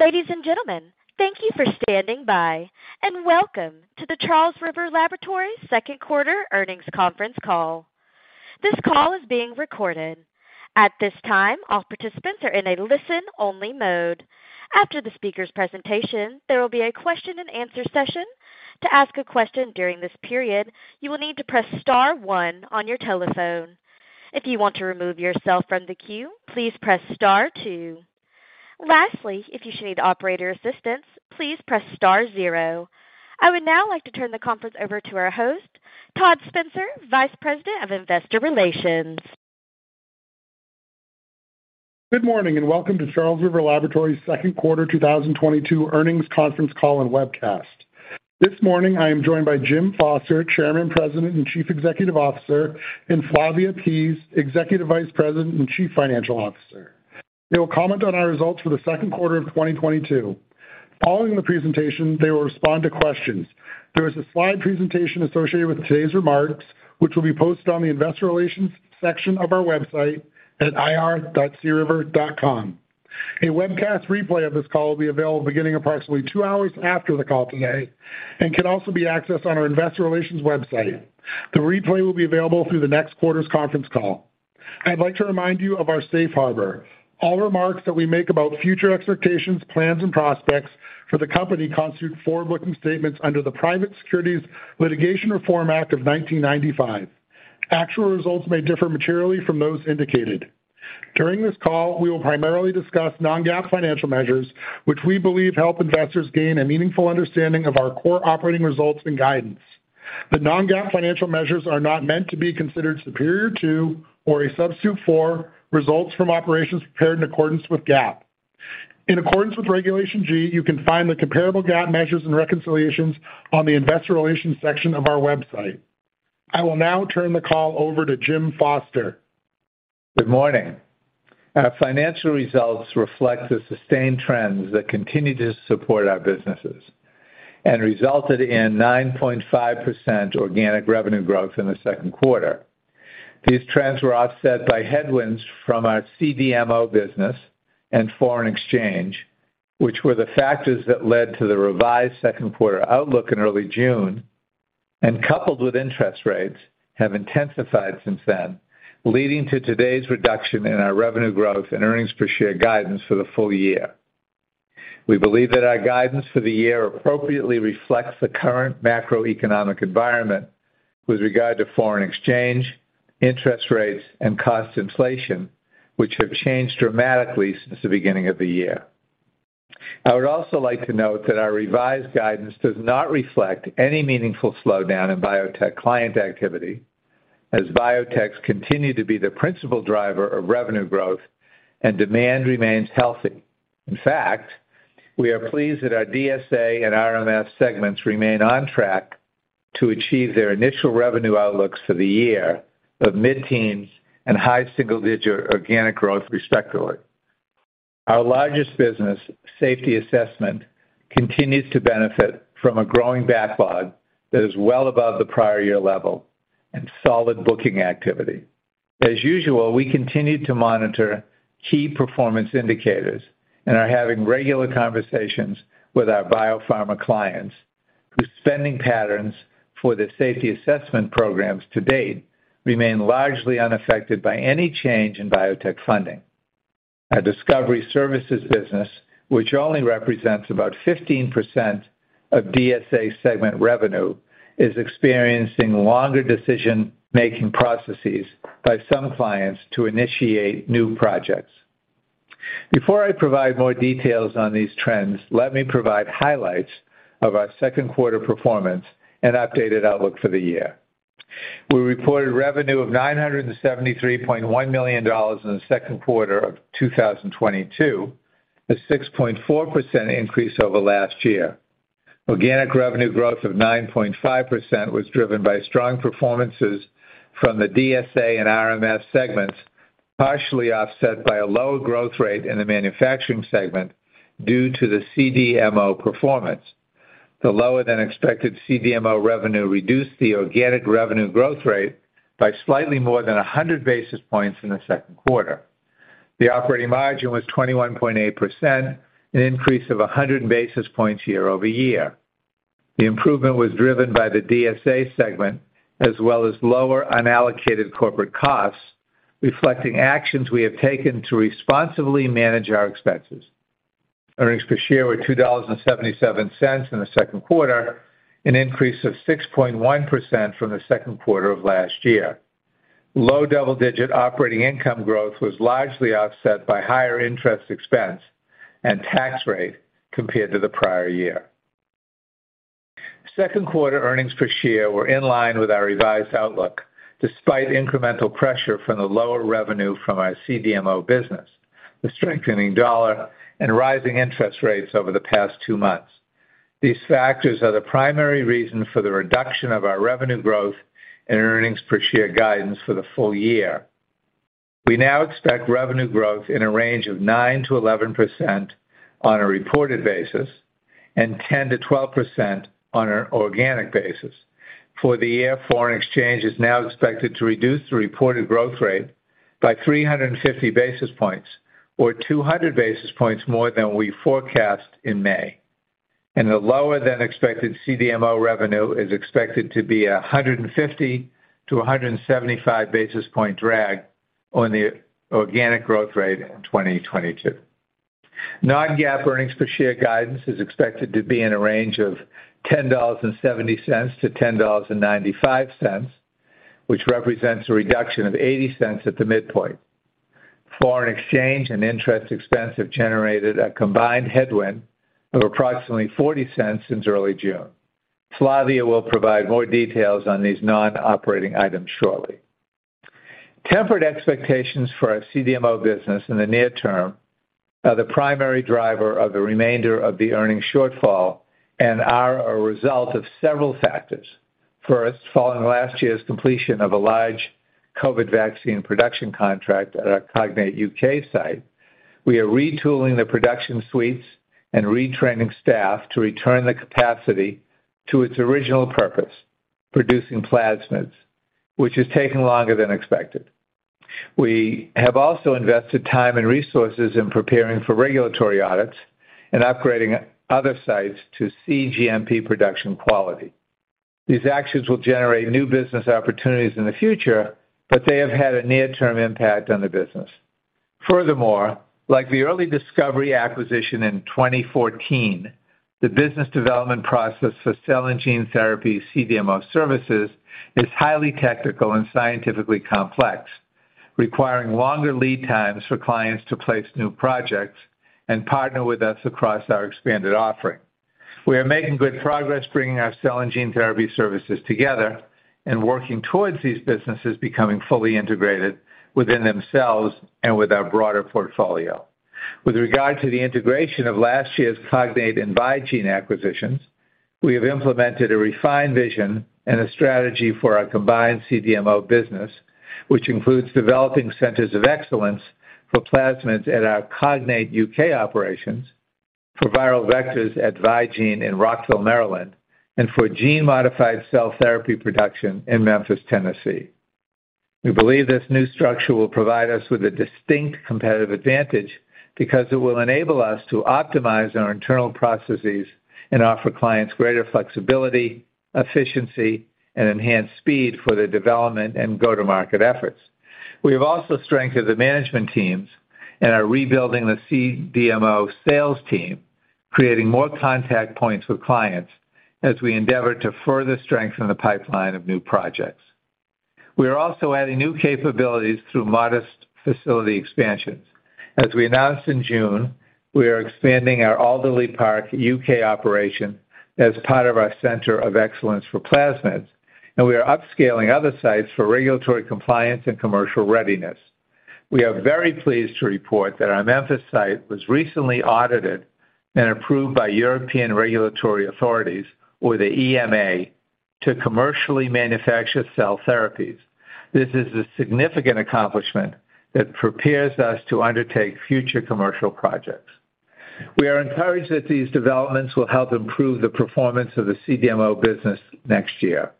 Ladies and gentlemen, thank you for standing by, and welcome to the Charles River Laboratories second quarter earnings conference call. This call is being recorded. At this time, all participants are in a listen-only mode. After the speaker's presentation, there will be a question-and-answer session. To ask a question during this period, you will need to press star one on your telephone. If you want to remove yourself from the queue, please press star two. Lastly, if you should need operator assistance, please press star zero. I would now like to turn the conference over to our host, Todd Spencer, Vice President of Investor Relations. Good morning, and welcome to Charles River Laboratories second quarter 2022 earnings conference call and webcast. This morning, I am joined by Jim Foster, Chairman, President, and Chief Executive Officer, and Flavia Pease, Executive Vice President and Chief Financial Officer. They will comment on our results for the second quarter of 2022. Following the presentation, they will respond to questions. There is a slide presentation associated with today's remarks, which will be posted on the investor relations section of our website at ir.criver.com. A webcast replay of this call will be available beginning approximately two hours after the call today and can also be accessed on our investor relations website. The replay will be available through the next quarter's conference call. I'd like to remind you of our safe harbor. All remarks that we make about future expectations, plans, and prospects for the company constitute forward-looking statements under the Private Securities Litigation Reform Act of 1995. Actual results may differ materially from those indicated. During this call, we will primarily discuss non-GAAP financial measures, which we believe help investors gain a meaningful understanding of our core operating results and guidance. The non-GAAP financial measures are not meant to be considered superior to or a substitute for results from operations prepared in accordance with GAAP. In accordance with Regulation G, you can find the comparable GAAP measures and reconciliations on the investor relations section of our website. I will now turn the call over to Jim Foster. Good morning. Our financial results reflect the sustained trends that continue to support our businesses and resulted in 9.5% organic revenue growth in the second quarter. These trends were offset by headwinds from our CDMO business and foreign exchange, which were the factors that led to the revised second quarter outlook in early June, and coupled with interest rates, have intensified since then, leading to today's reduction in our revenue growth and earnings per share guidance for the full year. We believe that our guidance for the year appropriately reflects the current macroeconomic environment with regard to foreign exchange, interest rates, and cost inflation, which have changed dramatically since the beginning of the year. I would also like to note that our revised guidance does not reflect any meaningful slowdown in biotech client activity, as biotechs continue to be the principal driver of revenue growth and demand remains healthy. In fact, we are pleased that our DSA and RMS segments remain on track to achieve their initial revenue outlooks for the year of mid-teens% and high single-digit% organic growth, respectively. Our largest business, safety assessment, continues to benefit from a growing backlog that is well above the prior year level and solid booking activity. As usual, we continue to monitor key performance indicators and are having regular conversations with our biopharma clients, whose spending patterns for the safety assessment programs to date remain largely unaffected by any change in biotech funding. Our discovery services business, which only represents about 15% of DSA segment revenue, is experiencing longer decision-making processes by some clients to initiate new projects. Before I provide more details on these trends, let me provide highlights of our second quarter performance and updated outlook for the year. We reported revenue of $973.1 million in the second quarter of 2022, a 6.4% increase over last year. Organic revenue growth of 9.5% was driven by strong performances from the DSA and RMS segments, partially offset by a lower growth rate in the manufacturing segment due to the CDMO performance. The lower-than-expected CDMO revenue reduced the organic revenue growth rate by slightly more than 100 basis points in the second quarter. The operating margin was 21.8%, an increase of 100 basis points year-over-year. The improvement was driven by the DSA segment as well as lower unallocated corporate costs, reflecting actions we have taken to responsibly manage our expenses. Earnings per share were $2.77 in the second quarter, an increase of 6.1% from the second quarter of last year. Low double-digit operating income growth was largely offset by higher interest expense and tax rate compared to the prior year. Second quarter earnings per share were in line with our revised outlook, despite incremental pressure from the lower revenue from our CDMO business, the strengthening dollar, and rising interest rates over the past two months. These factors are the primary reason for the reduction of our revenue growth and earnings per share guidance for the full year. We now expect revenue growth in a range of 9%-11% on a reported basis and 10%-12% on an organic basis. For the year, foreign exchange is now expected to reduce the reported growth rate by 350 basis points or 200 basis points more than we forecast in May. The lower than expected CDMO revenue is expected to be a 150 basis points to 175 basis points drag on the organic growth rate in 2022. Non-GAAP earnings per share guidance is expected to be in a range of $10.70-$10.95, which represents a reduction of $0.80 at the midpoint. Foreign exchange and interest expense have generated a combined headwind of approximately $0.40 since early June. Flavia will provide more details on these non-operating items shortly. Tempered expectations for our CDMO business in the near term are the primary driver of the remainder of the earnings shortfall and are a result of several factors. First, following last year's completion of a large COVID vaccine production contract at our Cognate UK site, we are retooling the production suites and retraining staff to return the capacity to its original purpose, producing plasmids, which is taking longer than expected. We have also invested time and resources in preparing for regulatory audits and upgrading other sites to cGMP production quality. These actions will generate new business opportunities in the future, but they have had a near-term impact on the business. Furthermore, like the Early Discovery acquisition in 2014, the business development process for cell and gene therapy CDMO services is highly technical and scientifically complex, requiring longer lead times for clients to place new projects and partner with us across our expanded offering. We are making good progress bringing our cell and gene therapy services together and working towards these businesses becoming fully integrated within themselves and with our broader portfolio. With regard to the integration of last year's Cognate and Vigene acquisitions, we have implemented a refined vision and a strategy for our combined CDMO business, which includes developing centers of excellence for plasmids at our Cognate U.K. operations, for viral vectors at Vigene in Rockville, Maryland, and for gene modified cell therapy production in Memphis, Tennessee. We believe this new structure will provide us with a distinct competitive advantage because it will enable us to optimize our internal processes and offer clients greater flexibility, efficiency, and enhanced speed for their development and go-to-market efforts. We have also strengthened the management teams and are rebuilding the CDMO sales team, creating more contact points with clients as we endeavor to further strengthen the pipeline of new projects. We are also adding new capabilities through modest facility expansions. As we announced in June, we are expanding our Alderley Park U.K. operation as part of our Center of Excellence for plasmids, and we are upscaling other sites for regulatory compliance and commercial readiness. We are very pleased to report that our Memphis site was recently audited and approved by European regulatory authorities or the EMA to commercially manufacture cell therapies. This is a significant accomplishment that prepares us to undertake future commercial projects. We are encouraged that these developments will help improve the performance of the CDMO business next year.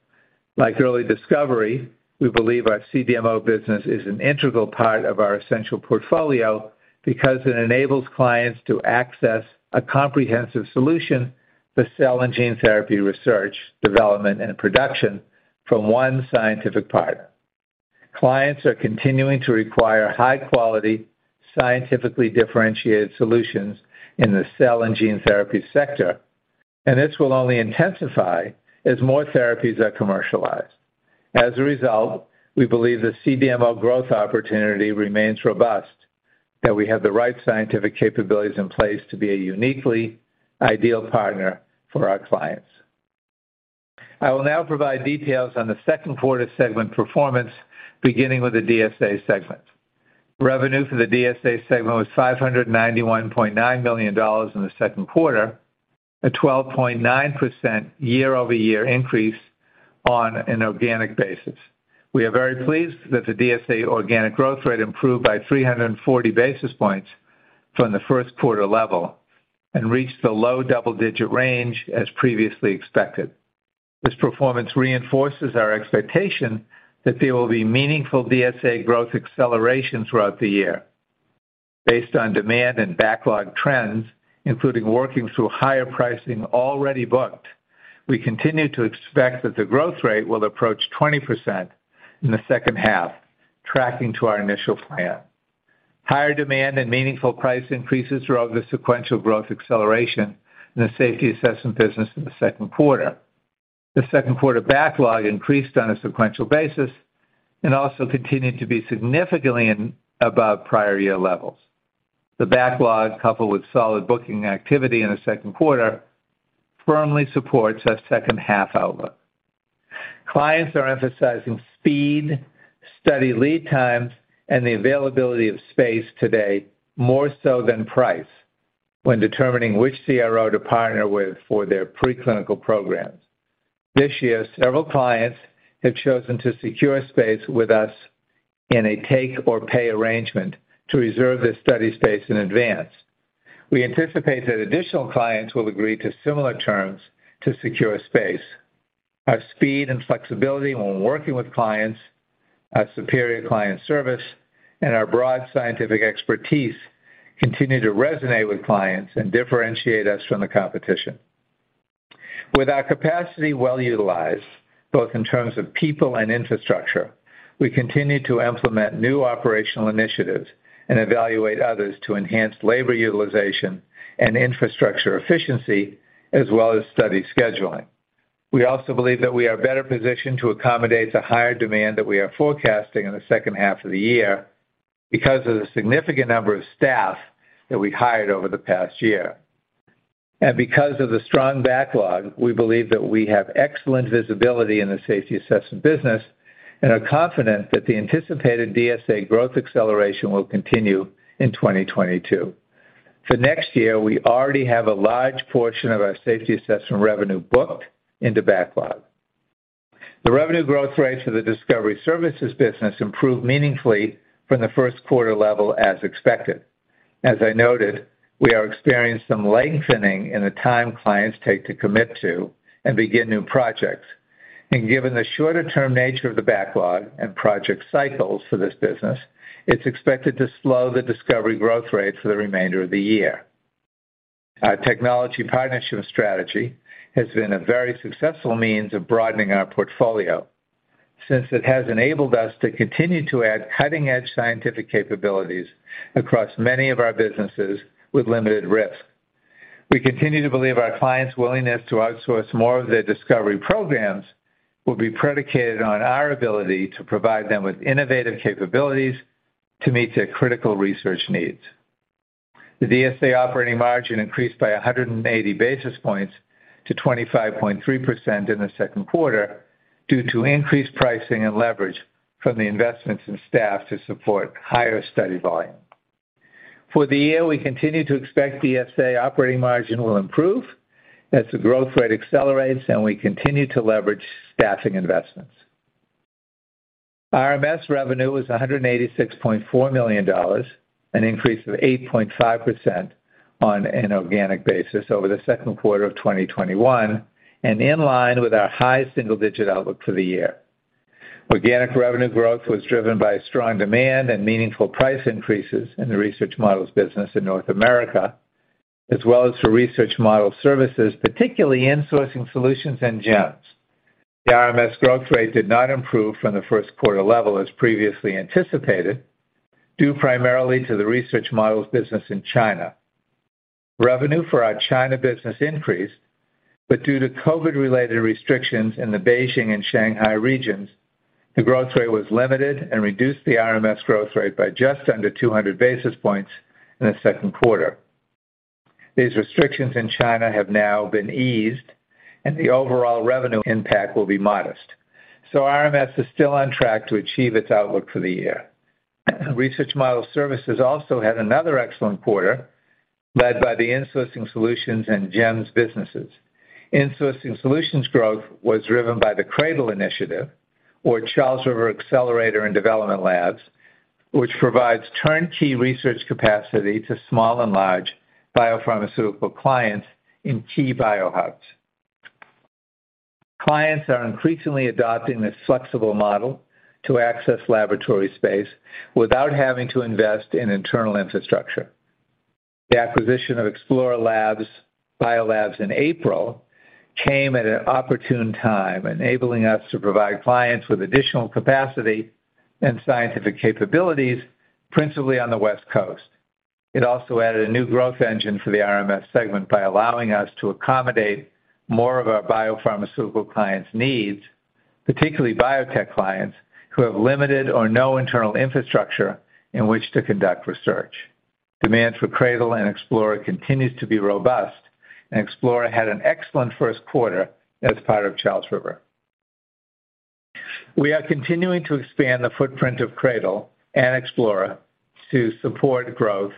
Like Early Discovery, we believe our CDMO business is an integral part of our essential portfolio because it enables clients to access a comprehensive solution for cell and gene therapy research, development, and production from one scientific partner. Clients are continuing to require high-quality, scientifically differentiated solutions in the cell and gene therapy sector, and this will only intensify as more therapies are commercialized. As a result, we believe the CDMO growth opportunity remains robust, that we have the right scientific capabilities in place to be a uniquely ideal partner for our clients. I will now provide details on the second quarter segment performance, beginning with the DSA segment. Revenue for the DSA segment was $591.9 million in the second quarter, a 12.9% year-over-year increase on an organic basis. We are very pleased that the DSA organic growth rate improved by 340 basis points from the first quarter level and reached the low double-digit range as previously expected. This performance reinforces our expectation that there will be meaningful DSA growth acceleration throughout the year. Based on demand and backlog trends, including working through higher pricing already booked, we continue to expect that the growth rate will approach 20% in the second half, tracking to our initial plan. Higher demand and meaningful price increases drove the sequential growth acceleration in the safety assessment business in the second quarter. The second quarter backlog increased on a sequential basis and also continued to be significantly above prior year levels. The backlog, coupled with solid booking activity in the second quarter, firmly supports our second half outlook. Clients are emphasizing speed, study lead times, and the availability of space today more so than price when determining which CRO to partner with for their preclinical programs. This year, several clients have chosen to secure space with us in a take or pay arrangement to reserve their study space in advance. We anticipate that additional clients will agree to similar terms to secure space. Our speed and flexibility when working with clients, our superior client service, and our broad scientific expertise continue to resonate with clients and differentiate us from the competition. With our capacity well-utilized, both in terms of people and infrastructure, we continue to implement new operational initiatives and evaluate others to enhance labor utilization and infrastructure efficiency, as well as study scheduling. We also believe that we are better positioned to accommodate the higher demand that we are forecasting in the second half of the year because of the significant number of staff that we hired over the past year. Because of the strong backlog, we believe that we have excellent visibility in the safety assessment business and are confident that the anticipated DSA growth acceleration will continue in 2022. For next year, we already have a large portion of our safety assessment revenue booked into backlog. The revenue growth rates of the discovery services business improved meaningfully from the first quarter level as expected. As I noted, we are experiencing some lengthening in the time clients take to commit to and begin new projects. Given the shorter-term nature of the backlog and project cycles for this business, it's expected to slow the discovery growth rate for the remainder of the year. Our technology partnership strategy has been a very successful means of broadening our portfolio since it has enabled us to continue to add cutting-edge scientific capabilities across many of our businesses with limited risk. We continue to believe our clients' willingness to outsource more of their discovery programs will be predicated on our ability to provide them with innovative capabilities to meet their critical research needs. The DSA operating margin increased by 180 basis points to 25.3% in the second quarter due to increased pricing and leverage from the investments in staff to support higher study volume. For the year, we continue to expect DSA operating margin will improve as the growth rate accelerates and we continue to leverage staffing investments. RMS revenue was $186.4 million, an increase of 8.5% on an organic basis over the second quarter of 2021 and in line with our high single-digit outlook for the year. Organic revenue growth was driven by strong demand and meaningful price increases in the research models business in North America, as well as for Research Model Services, particularly in Insourcing Solutions and GEMS. The RMS growth rate did not improve from the first quarter level as previously anticipated, due primarily to the research models business in China. Revenue for our China business increased, but due to COVID-related restrictions in the Beijing and Shanghai regions, the growth rate was limited and reduced the RMS growth rate by just under 200 basis points in the second quarter. These restrictions in China have now been eased and the overall revenue impact will be modest. RMS is still on track to achieve its outlook for the year. Research Model Services also had another excellent quarter led by the Insourcing Solutions and GEMS businesses. Insourcing Solutions growth was driven by the CRADL initiative or Charles River Accelerator and Development Lab, which provides turnkey research capacity to small and large biopharmaceutical clients in key bio hubs. Clients are increasingly adopting this flexible model to access laboratory space without having to invest in internal infrastructure. The acquisition of Explora BioLabs in April came at an opportune time, enabling us to provide clients with additional capacity and scientific capabilities, principally on the West Coast. It also added a new growth engine for the RMS segment by allowing us to accommodate more of our biopharmaceutical clients' needs, particularly biotech clients who have limited or no internal infrastructure in which to conduct research. Demand for Cradle and Explora continues to be robust, and Explora had an excellent first quarter as part of Charles River. We are continuing to expand the footprint of Cradle and Explora to support growth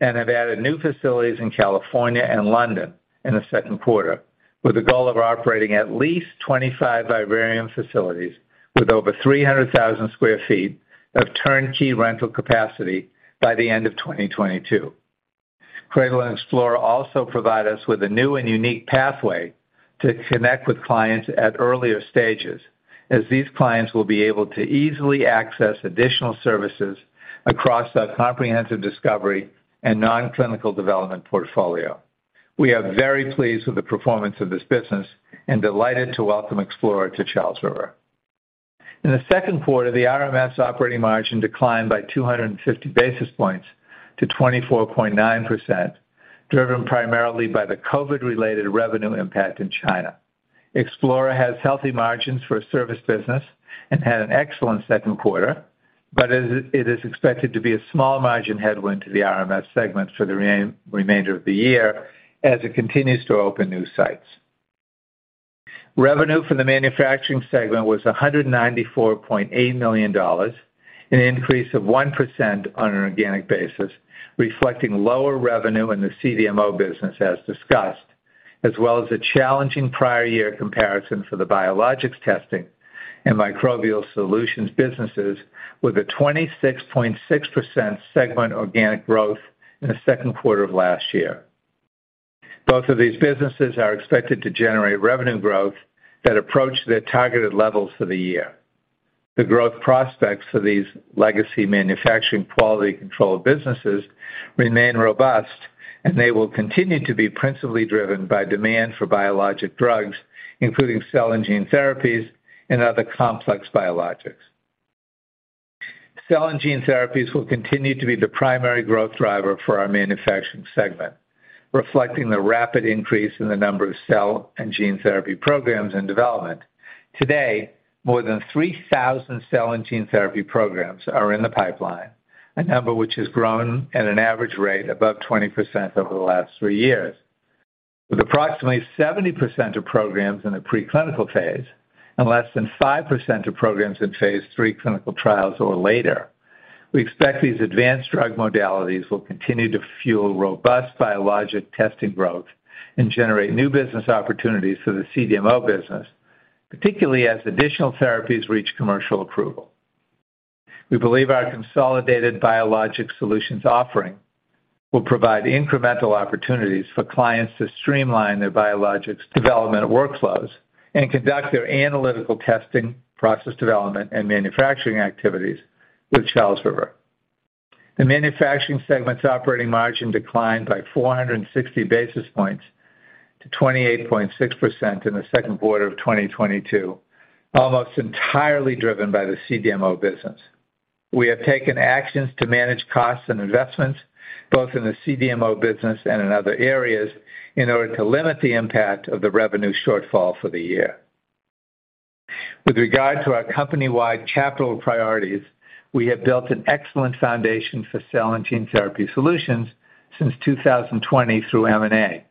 and have added new facilities in California and London in the second quarter, with a goal of operating at least 25 vivarium facilities with over 300,000 sq ft of turnkey rental capacity by the end of 2022. CRADL and Explora also provide us with a new and unique pathway to connect with clients at earlier stages, as these clients will be able to easily access additional services across our comprehensive discovery and non-clinical development portfolio. We are very pleased with the performance of this business and delighted to welcome Explora to Charles River. In the second quarter, the RMS operating margin declined by 250 basis points to 24.9%, driven primarily by the COVID-related revenue impact in China. Explora has healthy margins for a service business and had an excellent second quarter, but it is expected to be a small margin headwind to the RMS segment for the remainder of the year as it continues to open new sites. Revenue for the manufacturing segment was $194.8 million. An increase of 1% on an organic basis, reflecting lower revenue in the CDMO business as discussed, as well as a challenging prior year comparison for the biologics testing and microbial solutions businesses with a 26.6% segment organic growth in the second quarter of last year. Both of these businesses are expected to generate revenue growth that approach their targeted levels for the year. The growth prospects for these legacy manufacturing quality control businesses remain robust, and they will continue to be principally driven by demand for biologic drugs, including cell and gene therapies and other complex biologics. Cell and gene therapies will continue to be the primary growth driver for our manufacturing segment, reflecting the rapid increase in the number of cell and gene therapy programs and development. Today, more than 3,000 cell and gene therapy programs are in the pipeline, a number which has grown at an average rate above 20% over the last thee years. With approximately 70% of programs in the preclinical phase and less than 5% of programs in phase III clinical trials or later, we expect these advanced drug modalities will continue to fuel robust biologic testing growth and generate new business opportunities for the CDMO business, particularly as additional therapies reach commercial approval. We believe our consolidated biologic solutions offering will provide incremental opportunities for clients to streamline their biologics development workflows and conduct their analytical testing, process development, and manufacturing activities with Charles River. The manufacturing segment's operating margin declined by 460 basis points to 28.6% in the second quarter of 2022, almost entirely driven by the CDMO business. We have taken actions to manage costs and investments both in the CDMO business and in other areas in order to limit the impact of the revenue shortfall for the year. With regard to our company-wide capital priorities, we have built an excellent foundation for cell and gene therapy solutions since 2020 through M&A,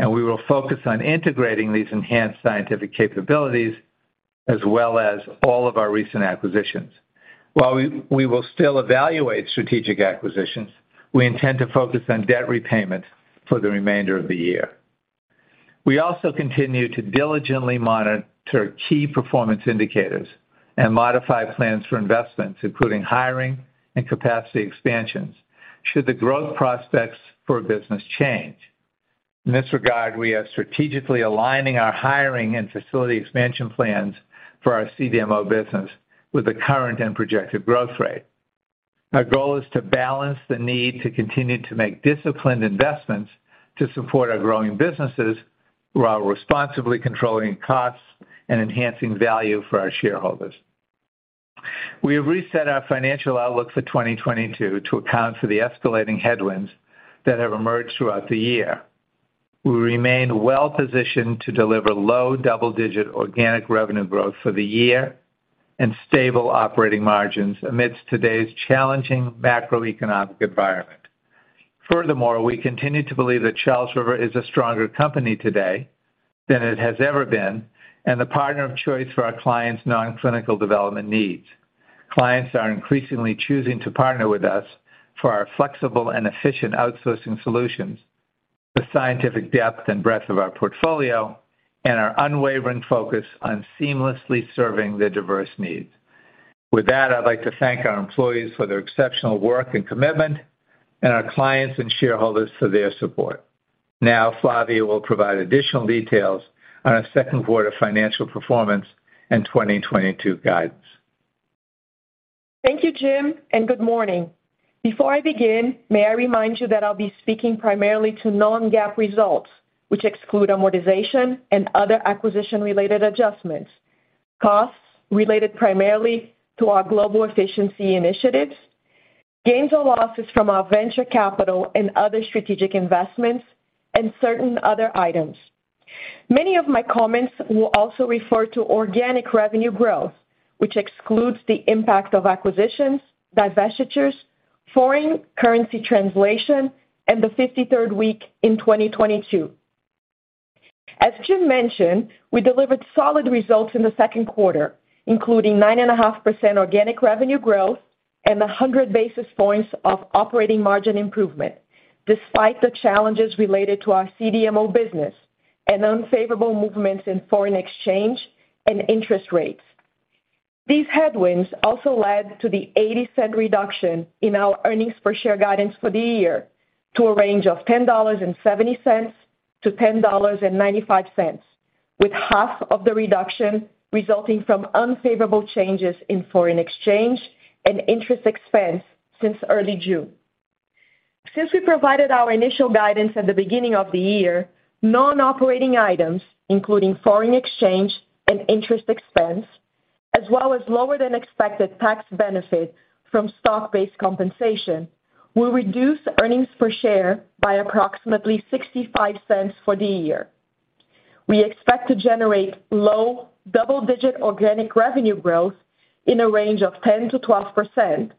and we will focus on integrating these enhanced scientific capabilities as well as all of our recent acquisitions. While we will still evaluate strategic acquisitions, we intend to focus on debt repayment for the remainder of the year. We also continue to diligently monitor key performance indicators and modify plans for investments, including hiring and capacity expansions, should the growth prospects for a business change. In this regard, we are strategically aligning our hiring and facility expansion plans for our CDMO business with the current and projected growth rate. Our goal is to balance the need to continue to make disciplined investments to support our growing businesses while responsibly controlling costs and enhancing value for our shareholders. We have reset our financial outlook for 2022 to account for the escalating headwinds that have emerged throughout the year. We remain well-positioned to deliver low double-digit organic revenue growth for the year and stable operating margins amidst today's challenging macroeconomic environment. Furthermore, we continue to believe that Charles River is a stronger company today than it has ever been, and the partner of choice for our clients' non-clinical development needs. Clients are increasingly choosing to partner with us for our flexible and efficient outsourcing solutions, the scientific depth and breadth of our portfolio, and our unwavering focus on seamlessly serving their diverse needs. With that, I'd like to thank our employees for their exceptional work and commitment, and our clients and shareholders for their support. Now, Flavia will provide additional details on our second quarter financial performance and 2022 guidance. Thank you, Jim, and good morning. Before I begin, may I remind you that I'll be speaking primarily to non-GAAP results, which exclude amortization and other acquisition-related adjustments, costs related primarily to our global efficiency initiatives, gains or losses from our venture capital and other strategic investments, and certain other items. Many of my comments will also refer to organic revenue growth, which excludes the impact of acquisitions, divestitures, foreign currency translation, and the 53rd week in 2022. As Jim mentioned, we delivered solid results in the second quarter, including 9.5% organic revenue growth and 100 basis points of operating margin improvement, despite the challenges related to our CDMO business and unfavorable movements in foreign exchange and interest rates. These headwinds also led to the $0.80 reduction in our earnings per share guidance for the year to a range of $10.70-$10.95, with half of the reduction resulting from unfavorable changes in foreign exchange and interest expense since early June. Since we provided our initial guidance at the beginning of the year, non-operating items, including foreign exchange and interest expense, as well as lower than expected tax benefit from stock-based compensation, will reduce earnings per share by approximately $0.65 for the year. We expect to generate low double-digit organic revenue growth in a range of 10%-12%,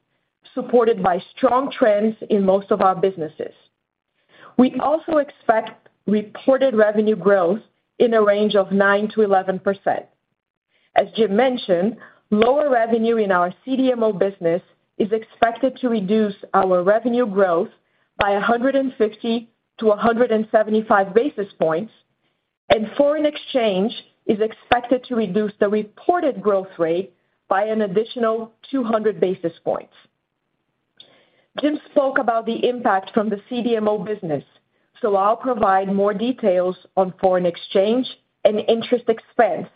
supported by strong trends in most of our businesses. We also expect reported revenue growth in a range of 9%-11%. As Jim mentioned, lower revenue in our CDMO business is expected to reduce our revenue growth by 150 basis points to 175 basis points, and foreign exchange is expected to reduce the reported growth rate by an additional 200 basis points. Jim spoke about the impact from the CDMO business, so I'll provide more details on foreign exchange and interest expense,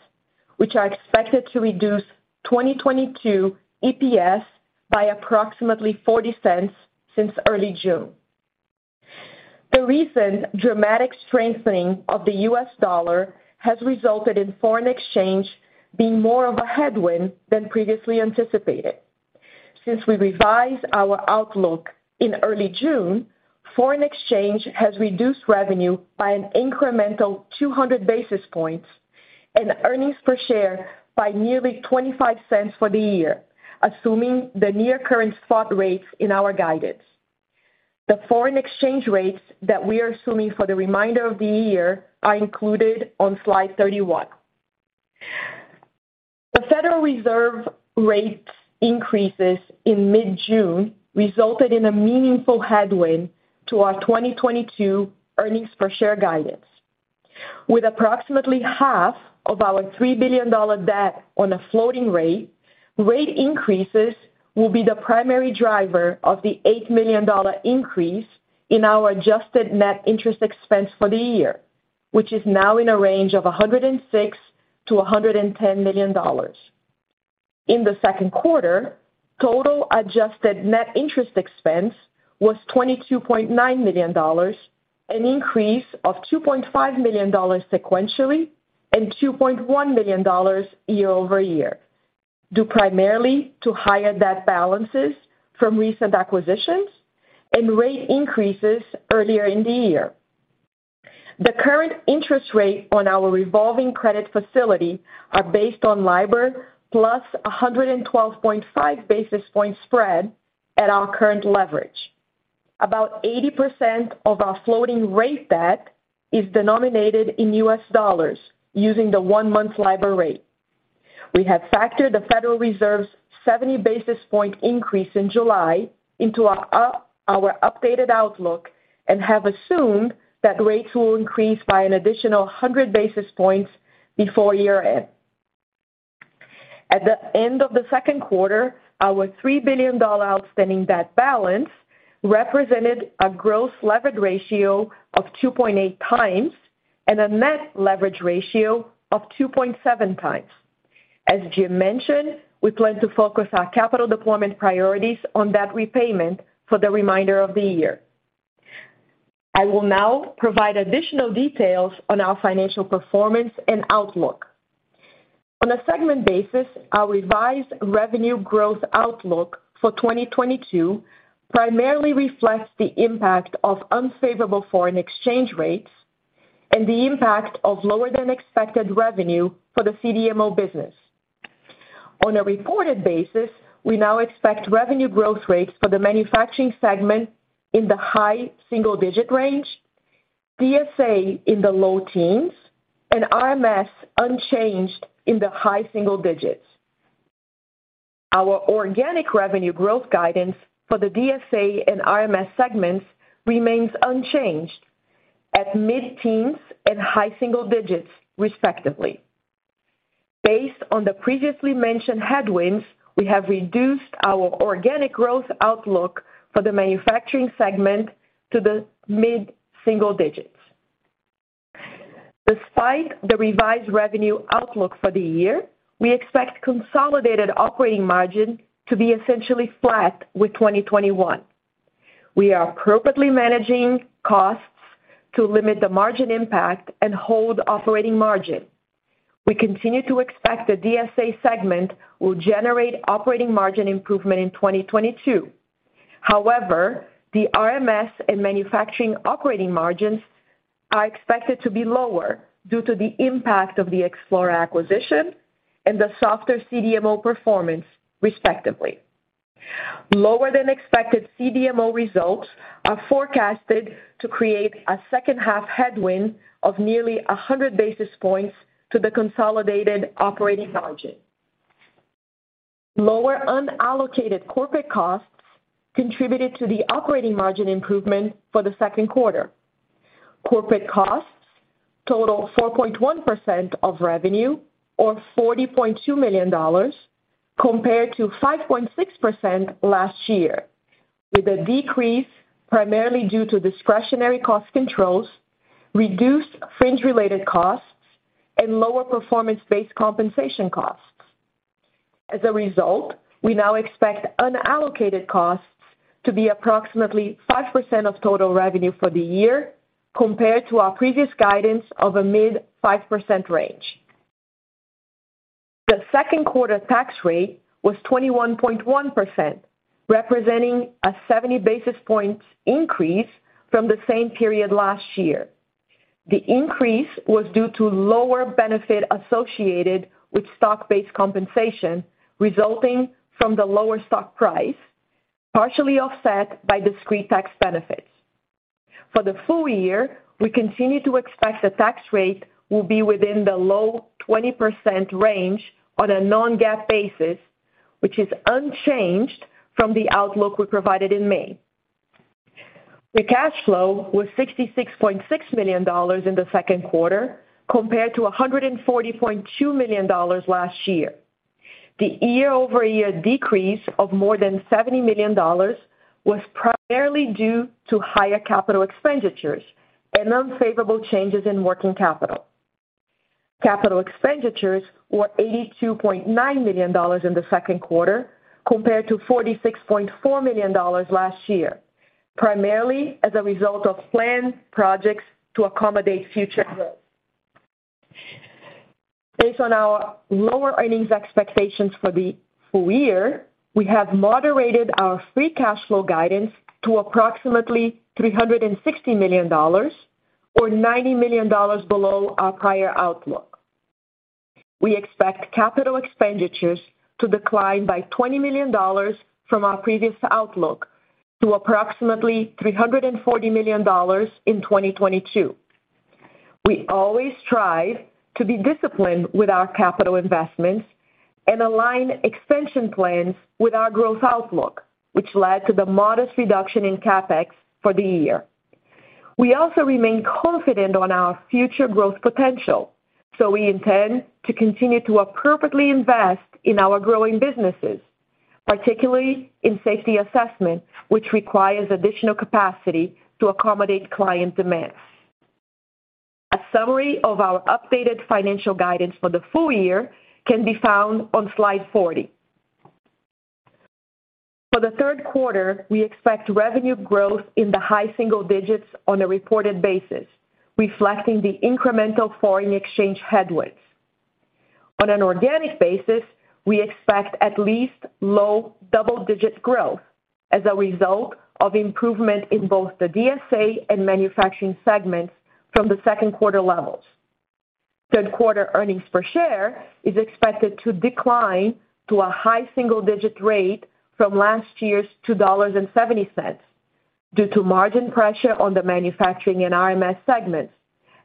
which are expected to reduce 2022 EPS by approximately $0.40 since early June. The recent dramatic strengthening of the US dollar has resulted in foreign exchange being more of a headwind than previously anticipated. Since we revised our outlook in early June, foreign exchange has reduced revenue by an incremental 200 basis points and earnings per share by nearly $0.25 for the year, assuming the near current spot rates in our guidance. The foreign exchange rates that we are assuming for the remainder of the year are included on Slide 31. The Federal Reserve rate increases in mid-June resulted in a meaningful headwind to our 2022 earnings per share guidance. With approximately half of our $3 billion debt on a floating rate increases will be the primary driver of the $8 million increase in our adjusted net interest expense for the year, which is now in a range of $106 million-$110 million. In the second quarter, total adjusted net interest expense was $22.9 million, an increase of $2.5 million sequentially, and $2.1 million year-over-year, due primarily to higher debt balances from recent acquisitions and rate increases earlier in the year. The current interest rate on our revolving credit facility are based on LIBOR plus 112.5 basis points spread at our current leverage. About 80% of our floating rate debt is denominated in US dollars using the one-month LIBOR rate. We have factored the Federal Reserve's 70 basis point increase in July into our updated outlook and have assumed that rates will increase by an additional 100 basis points before year-end. At the end of the second quarter, our $3 billion outstanding debt balance represented a gross leverage ratio of 2.8x and a net leverage ratio of 2.7x. As Jim mentioned, we plan to focus our capital deployment priorities on debt repayment for the remainder of the year. I will now provide additional details on our financial performance and outlook. On a segment basis, our revised revenue growth outlook for 2022 primarily reflects the impact of unfavorable foreign exchange rates and the impact of lower than expected revenue for the CDMO business. On a reported basis, we now expect revenue growth rates for the manufacturing segment in the high single-digit range, DSA in the low teens, and RMS unchanged in the high single digits. Our organic revenue growth guidance for the DSA and RMS segments remains unchanged at mid-teens and high single digits, respectively. Based on the previously mentioned headwinds, we have reduced our organic growth outlook for the manufacturing segment to the mid-single digits. Despite the revised revenue outlook for the year, we expect consolidated operating margin to be essentially flat with 2021. We are appropriately managing costs to limit the margin impact and hold operating margin. We continue to expect the DSA segment will generate operating margin improvement in 2022. However, the RMS and manufacturing operating margins are expected to be lower due to the impact of the Explora BioLabs acquisition and the softer CDMO performance, respectively. Lower than expected CDMO results are forecasted to create a second-half headwind of nearly 100 basis points to the consolidated operating margin. Lower unallocated corporate costs contributed to the operating margin improvement for the second quarter. Corporate costs total 4.1% of revenue or $40.2 million, compared to 5.6% last year, with a decrease primarily due to discretionary cost controls, reduced fringe-related costs, and lower performance-based compensation costs. As a result, we now expect unallocated costs to be approximately 5% of total revenue for the year compared to our previous guidance of a mid-5% range. The second quarter tax rate was 21.1%, representing a 70 basis points increase from the same period last year. The increase was due to lower benefit associated with stock-based compensation resulting from the lower stock price, partially offset by discrete tax benefits. For the full year, we continue to expect the tax rate will be within the low 20% range on a non-GAAP basis, which is unchanged from the outlook we provided in May. The cash flow was $66.6 million in the second quarter compared to $140.2 million last year. The year-over-year decrease of more than $70 million was primarily due to higher capital expenditures and unfavorable changes in working capital. Capital expenditures were $82.9 million in the second quarter compared to $46.4 million last year, primarily as a result of planned projects to accommodate future growth. Based on our lower earnings expectations for the full year, we have moderated our free cash flow guidance to approximately $360 million or $90 million below our prior outlook. We expect capital expenditures to decline by $20 million from our previous outlook to approximately $340 million in 2022. We always strive to be disciplined with our capital investments and align expansion plans with our growth outlook, which led to the modest reduction in CapEx for the year. We also remain confident on our future growth potential, so we intend to continue to appropriately invest in our growing businesses, particularly in safety assessment, which requires additional capacity to accommodate client demands. A summary of our updated financial guidance for the full year can be found on Slide 40. For the third quarter, we expect revenue growth in the high single digits on a reported basis, reflecting the incremental foreign exchange headwinds. On an organic basis, we expect at least low double-digit growth as a result of improvement in both the DSA and manufacturing segments from the second quarter levels. Third quarter earnings per share is expected to decline to a high single-digit rate from last year's $2.70 due to margin pressure on the manufacturing and RMS segments,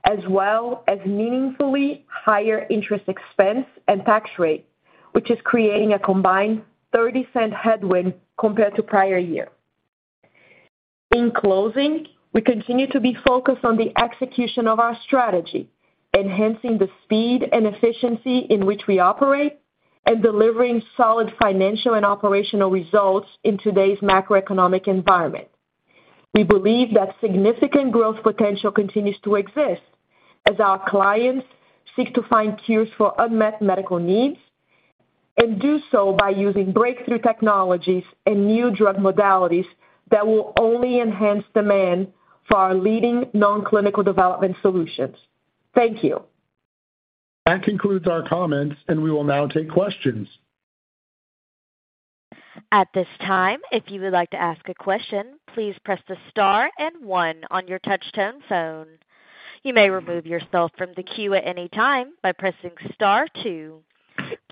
as well as meaningfully higher interest expense and tax rate, which is creating a combined $0.30 headwind compared to prior year. In closing, we continue to be focused on the execution of our strategy, enhancing the speed and efficiency in which we operate, and delivering solid financial and operational results in today's macroeconomic environment. We believe that significant growth potential continues to exist as our clients seek to find cures for unmet medical needs and do so by using breakthrough technologies and new drug modalities that will only enhance demand for our leading nonclinical development solutions. Thank you. That concludes our comments, and we will now take questions. At this time, if you would like to ask a question, please press the star and one on your touch-tone phone. You may remove yourself from the queue at any time by pressing star two.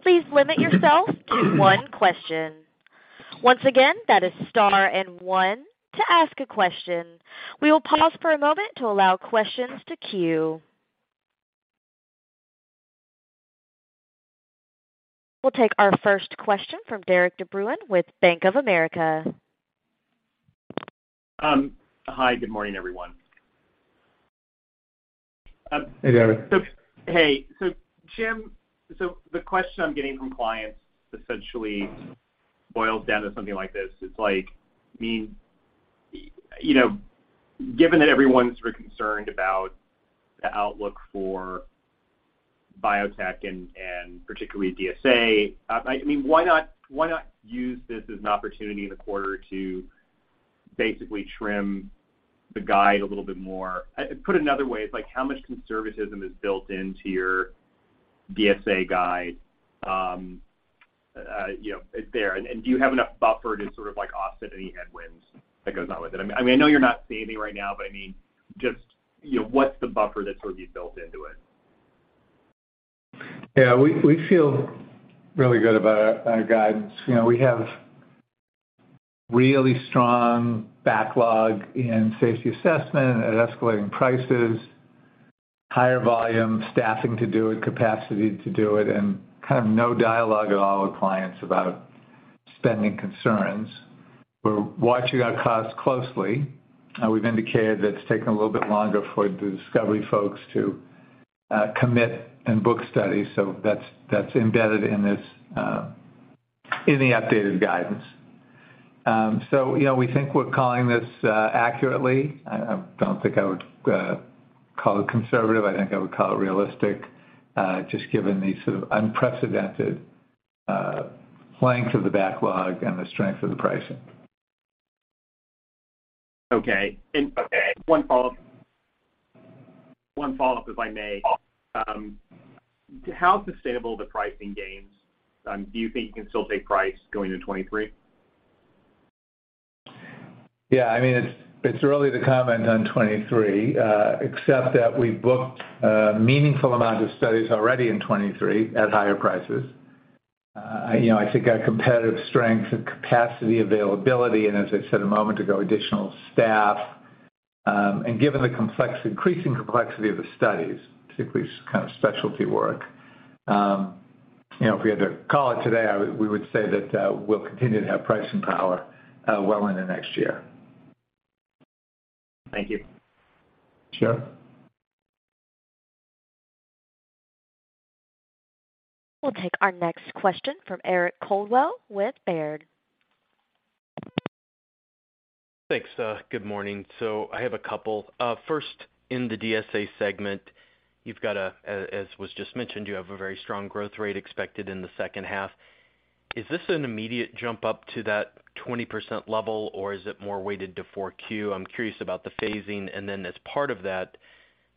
Please limit yourself to one question. Once again, that is star and one to ask a question. We will pause for a moment to allow questions to queue. We'll take our first question from Derik De Bruin with Bank of America. Hi, good morning, everyone. Hey, Derik. Hey. Jim, the question I'm getting from clients essentially boils down to something like this. It's like, I mean, you know, given that everyone's concerned about the outlook for biotech and particularly DSA, I mean, why not use this as an opportunity in the quarter to basically trim the guide a little bit more? Put another way, it's like how much conservatism is built into your DSA guide, you know, there, and do you have enough buffer to sort of like offset any headwinds that goes on with it? I mean, I know you're not saying anything right now, but I mean, just, you know, what's the buffer that's sort of been built into it? Yeah, we feel really good about our guidance. You know, we have really strong backlog in safety assessment at escalating prices, higher volume, staffing to do it, capacity to do it, and kind of no dialogue at all with clients about spending concerns. We're watching our costs closely. We've indicated that it's taken a little bit longer for the discovery folks to commit and book studies. That's embedded in the updated guidance. You know, we think we're calling this accurately. I don't think I would call it conservative. I think I would call it realistic just given the sort of unprecedented length of the backlog and the strength of the pricing. Okay. One follow-up, if I may. How sustainable are the pricing gains? Do you think you can still take price going to 2023? Yeah, I mean, it's early to comment on 2023, except that we booked a meaningful amount of studies already in 2023 at higher prices. You know, I think our competitive strength and capacity availability, and as I said a moment ago, additional staff, and given the increasing complexity of the studies, particularly this kind of specialty work, you know, if we had to call it today, we would say that we'll continue to have pricing power well into next year. Thank you. Sure. We'll take our next question from Eric Coldwell with Baird. Thanks, good morning. I have a couple. First, in the DSA segment, as was just mentioned, you have a very strong growth rate expected in the second half. Is this an immediate jump up to that 20% level, or is it more weighted to 4Q? I'm curious about the phasing and then as part of that,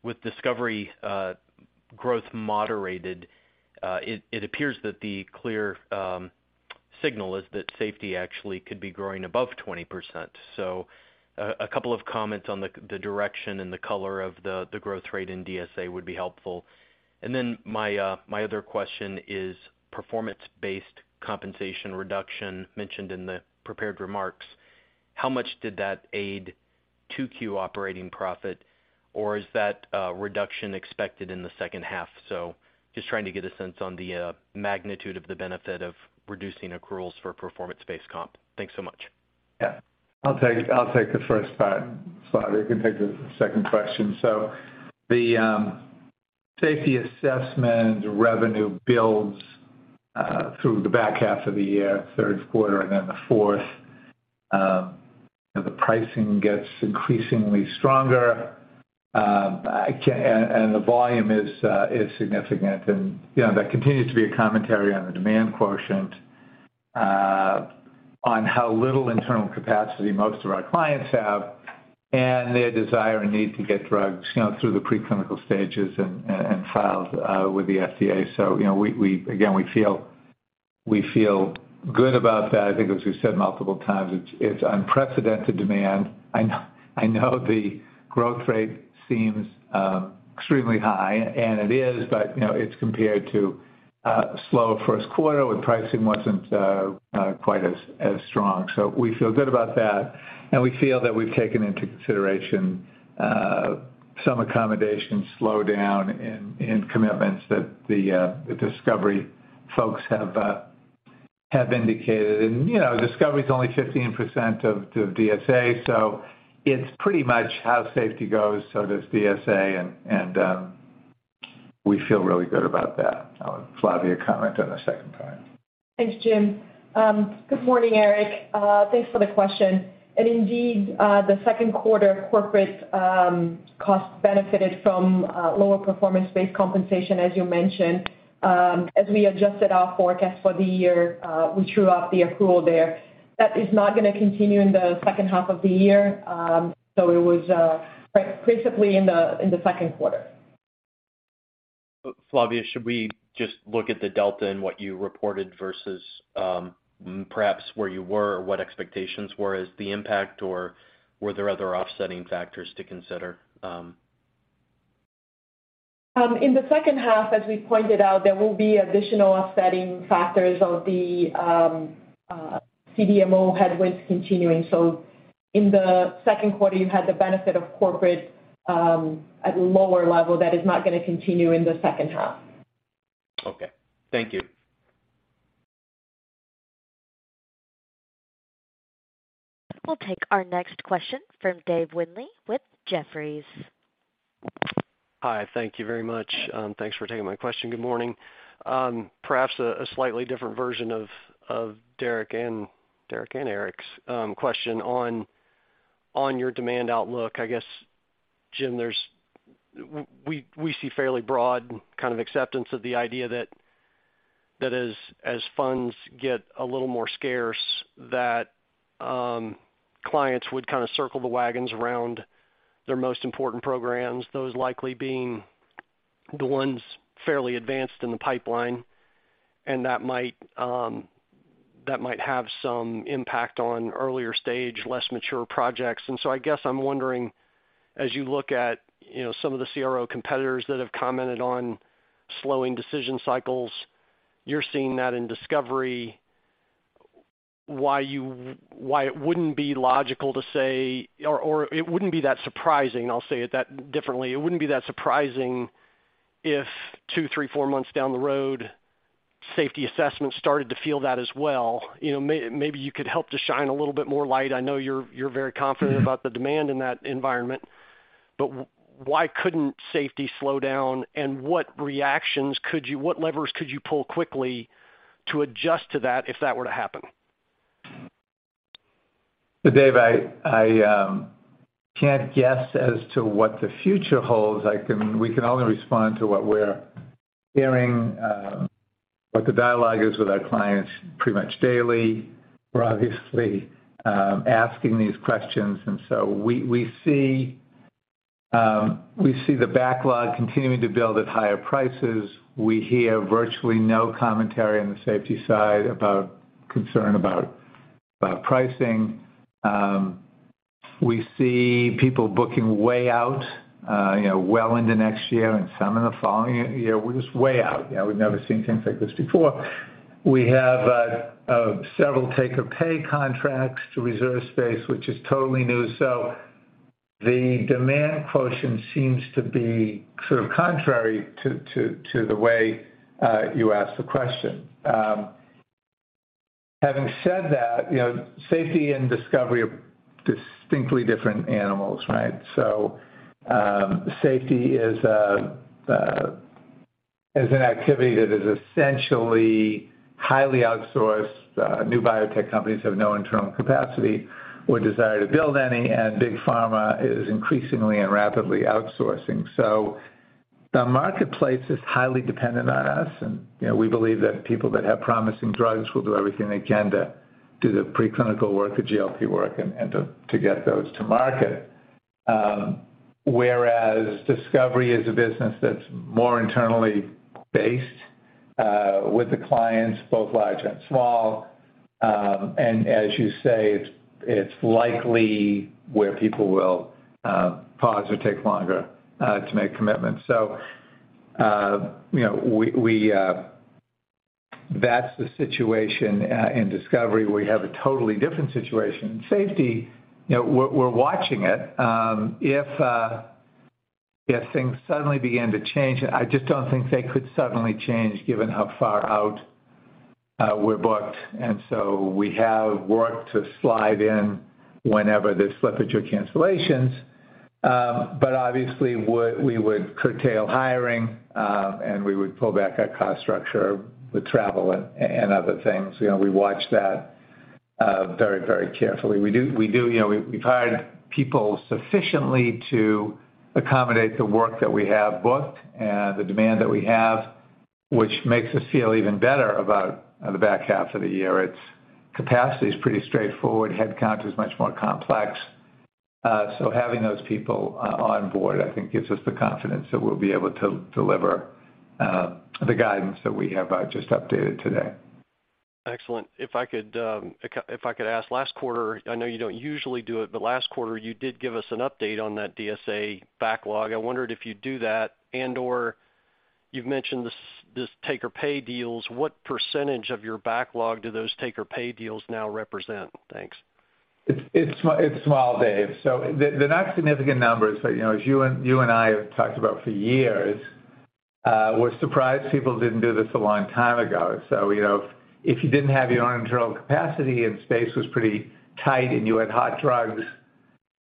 with discovery growth moderated, it appears that the clear signal is that safety actually could be growing above 20%. A couple of comments on the direction and the color of the growth rate in DSA would be helpful. My other question is performance-based compensation reduction mentioned in the prepared remarks. How much did that aid 2Q operating profit, or is that reduction expected in the second half? Just trying to get a sense on the magnitude of the benefit of reducing accruals for performance-based comp. Thanks so much. Yeah. I'll take the first slide. You can take the second question. The safety assessment revenue builds through the back half of the year, third quarter and then the fourth. The pricing gets increasingly stronger again, and the volume is significant. You know, that continues to be a commentary on the demand quotient on how little internal capacity most of our clients have, and their desire and need to get drugs, you know, through the pre-clinical stages and filed with the FDA. You know, we again feel good about that. I think as we've said multiple times, it's unprecedented demand. I know the growth rate seems extremely high, and it is, but you know, it's compared to a slow first quarter when pricing wasn't quite as strong. We feel good about that, and we feel that we've taken into consideration some anticipated slowdown in commitments that the discovery folks have indicated. You know, discovery is only 15% of total DSA, so it's pretty much how safety goes, so does DSA, and we feel really good about that. I'll let Flavia comment on the second part. Thanks, Jim. Good morning, Eric. Thanks for the question. Indeed, the second quarter corporate cost benefited from lower performance-based compensation, as you mentioned. As we adjusted our forecast for the year, we true-up the accrual there. That is not gonna continue in the second half of the year, so it was like principally in the second quarter. Flavia, should we just look at the delta in what you reported versus, perhaps where you were or what expectations were as the impact, or were there other offsetting factors to consider? In the second half, as we pointed out, there will be additional offsetting factors of the CDMO headwinds continuing. In the second quarter, you had the benefit of corporate at a lower level that is not gonna continue in the second half. Okay. Thank you. We'll take our next question from Dave Windley with Jefferies. Hi. Thank you very much. Thanks for taking my question. Good morning. Perhaps a slightly different version of Derik and Eric's question on your demand outlook. I guess, Jim, we see fairly broad kind of acceptance of the idea that as funds get a little more scarce, that clients would kind of circle the wagons around their most important programs, those likely being the ones fairly advanced in the pipeline, and that might have some impact on earlier stage, less mature projects. I guess I'm wondering, as you look at, you know, some of the CRO competitors that have commented on slowing decision cycles, you're seeing that in discovery, why it wouldn't be logical to say, or it wouldn't be that surprising, I'll say it that differently. It wouldn't be that surprising if two, three, four months down the road, safety assessments started to feel that as well. You know, maybe you could help to shine a little bit more light. I know you're very confident about the demand in that environment, but why couldn't safety slow down, and what levers could you pull quickly to adjust to that if that were to happen? Dave, I can't guess as to what the future holds. We can only respond to what we're hearing, what the dialogue is with our clients pretty much daily. We're obviously asking these questions, and so we see the backlog continuing to build at higher prices. We hear virtually no commentary on the safety side about concern about pricing. We see people booking way out, you know, well into next year and some in the following year. We're just way out. You know, we've never seen things like this before. We have several take or pay contracts to reserve space, which is totally new. The demand quotient seems to be sort of contrary to the way you ask the question. Having said that, you know, safety and discovery are distinctly different animals, right? Safety is an activity that is essentially highly outsourced. New biotech companies have no internal capacity or desire to build any, and big pharma is increasingly and rapidly outsourcing. The marketplace is highly dependent on us and, you know, we believe that people that have promising drugs will do everything they can to do the preclinical work, the GLP work, and to get those to market. Whereas discovery is a business that's more internally based with the clients, both large and small. As you say, it's likely where people will pause or take longer to make commitments. You know, that's the situation in discovery. We have a totally different situation. In safety, you know, we're watching it. If things suddenly began to change, I just don't think they could suddenly change given how far out we're booked. We have work to slide in whenever there's slippage or cancellations. Obviously we would curtail hiring, and we would pull back our cost structure with travel and other things. You know, we watch that very carefully. We do. You know, we've hired people sufficiently to accommodate the work that we have booked and the demand that we have, which makes us feel even better about the back half of the year. It's capacity is pretty straightforward. Headcount is much more complex. Having those people on board, I think, gives us the confidence that we'll be able to deliver the guidance that we have just updated today. Excellent. If I could ask, last quarter, I know you don't usually do it, but last quarter you did give us an update on that DSA backlog. I wondered if you'd do that and/or you've mentioned this take or pay deals. What percentage of your backlog do those take or pay deals now represent? Thanks. It's small, Dave. They're not significant numbers, but you know, as you and I have talked about for years, we're surprised people didn't do this a long time ago. You know, if you didn't have your own internal capacity and space was pretty tight and you had hot drugs,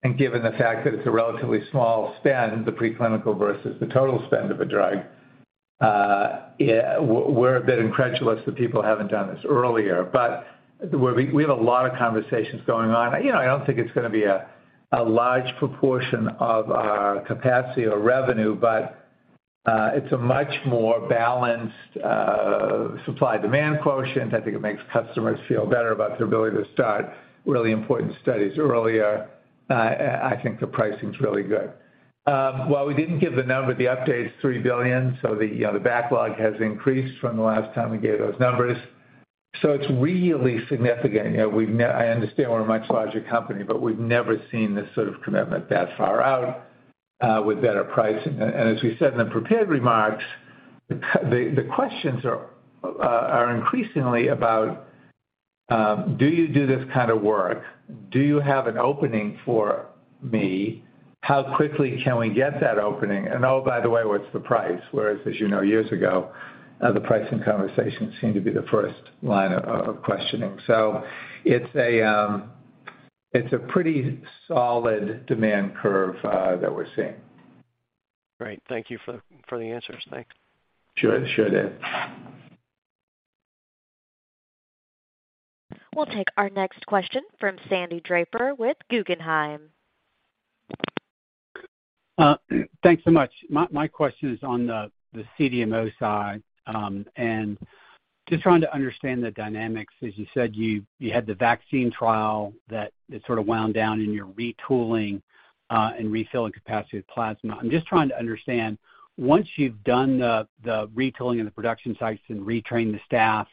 and given the fact that it's a relatively small spend, the preclinical versus the total spend of a drug, yeah, we're a bit incredulous that people haven't done this earlier. We have a lot of conversations going on. You know, I don't think it's gonna be a large proportion of our capacity or revenue, but it's a much more balanced supply-demand quotient. I think it makes customers feel better about their ability to start really important studies earlier. I think the pricing's really good. While we didn't give the number, the update's $3 billion, you know, the backlog has increased from the last time we gave those numbers. It's really significant. You know, I understand we're a much larger company, but we've never seen this sort of commitment that far out, with better pricing. And as we said in the prepared remarks, the questions are increasingly about, do you do this kind of work? Do you have an opening for me? How quickly can we get that opening? And oh, by the way, what's the price? Whereas, as you know, years ago, the pricing conversations seem to be the first line of questioning. It's a pretty solid demand curve that we're seeing. Great. Thank you for the answers. Thanks. Sure. Sure, Dave. We'll take our next question from Sandy Draper with Guggenheim. Thanks so much. My question is on the CDMO side. Just trying to understand the dynamics. As you said, you had the vaccine trial that it sort of wound down and you're retooling and refilling capacity with plasmids. I'm just trying to understand, once you've done the retooling of the production sites and retrain the staff,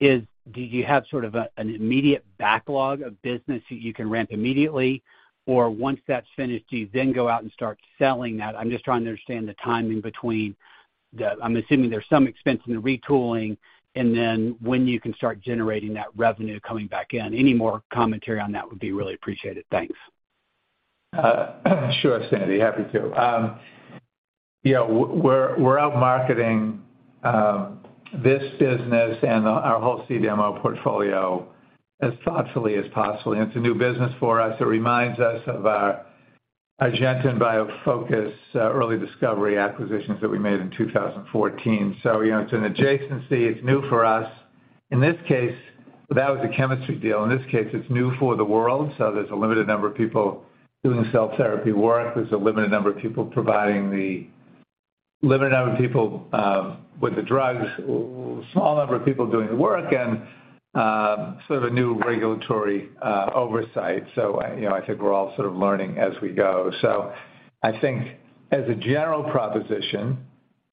do you have sort of an immediate backlog of business that you can ramp immediately? Or once that's finished, do you then go out and start selling that? I'm just trying to understand the timing between, I'm assuming there's some expense in the retooling, and then when you can start generating that revenue coming back in. Any more commentary on that would be really appreciated. Thanks. Sure, Sandy. Happy to. You know, we're out marketing this business and our whole CDMO portfolio as thoughtfully as possible. It's a new business for us. It reminds us of our Argenta and BioFocus Early Discovery acquisitions that we made in 2014. You know, it's an adjacency. It's new for us. In this case, that was a chemistry deal. In this case, it's new for the world, so there's a limited number of people doing the cell therapy work. There's a limited number of people providing the limited number of people with the drugs, small number of people doing the work and sort of a new regulatory oversight. You know, I think we're all sort of learning as we go. I think as a general proposition,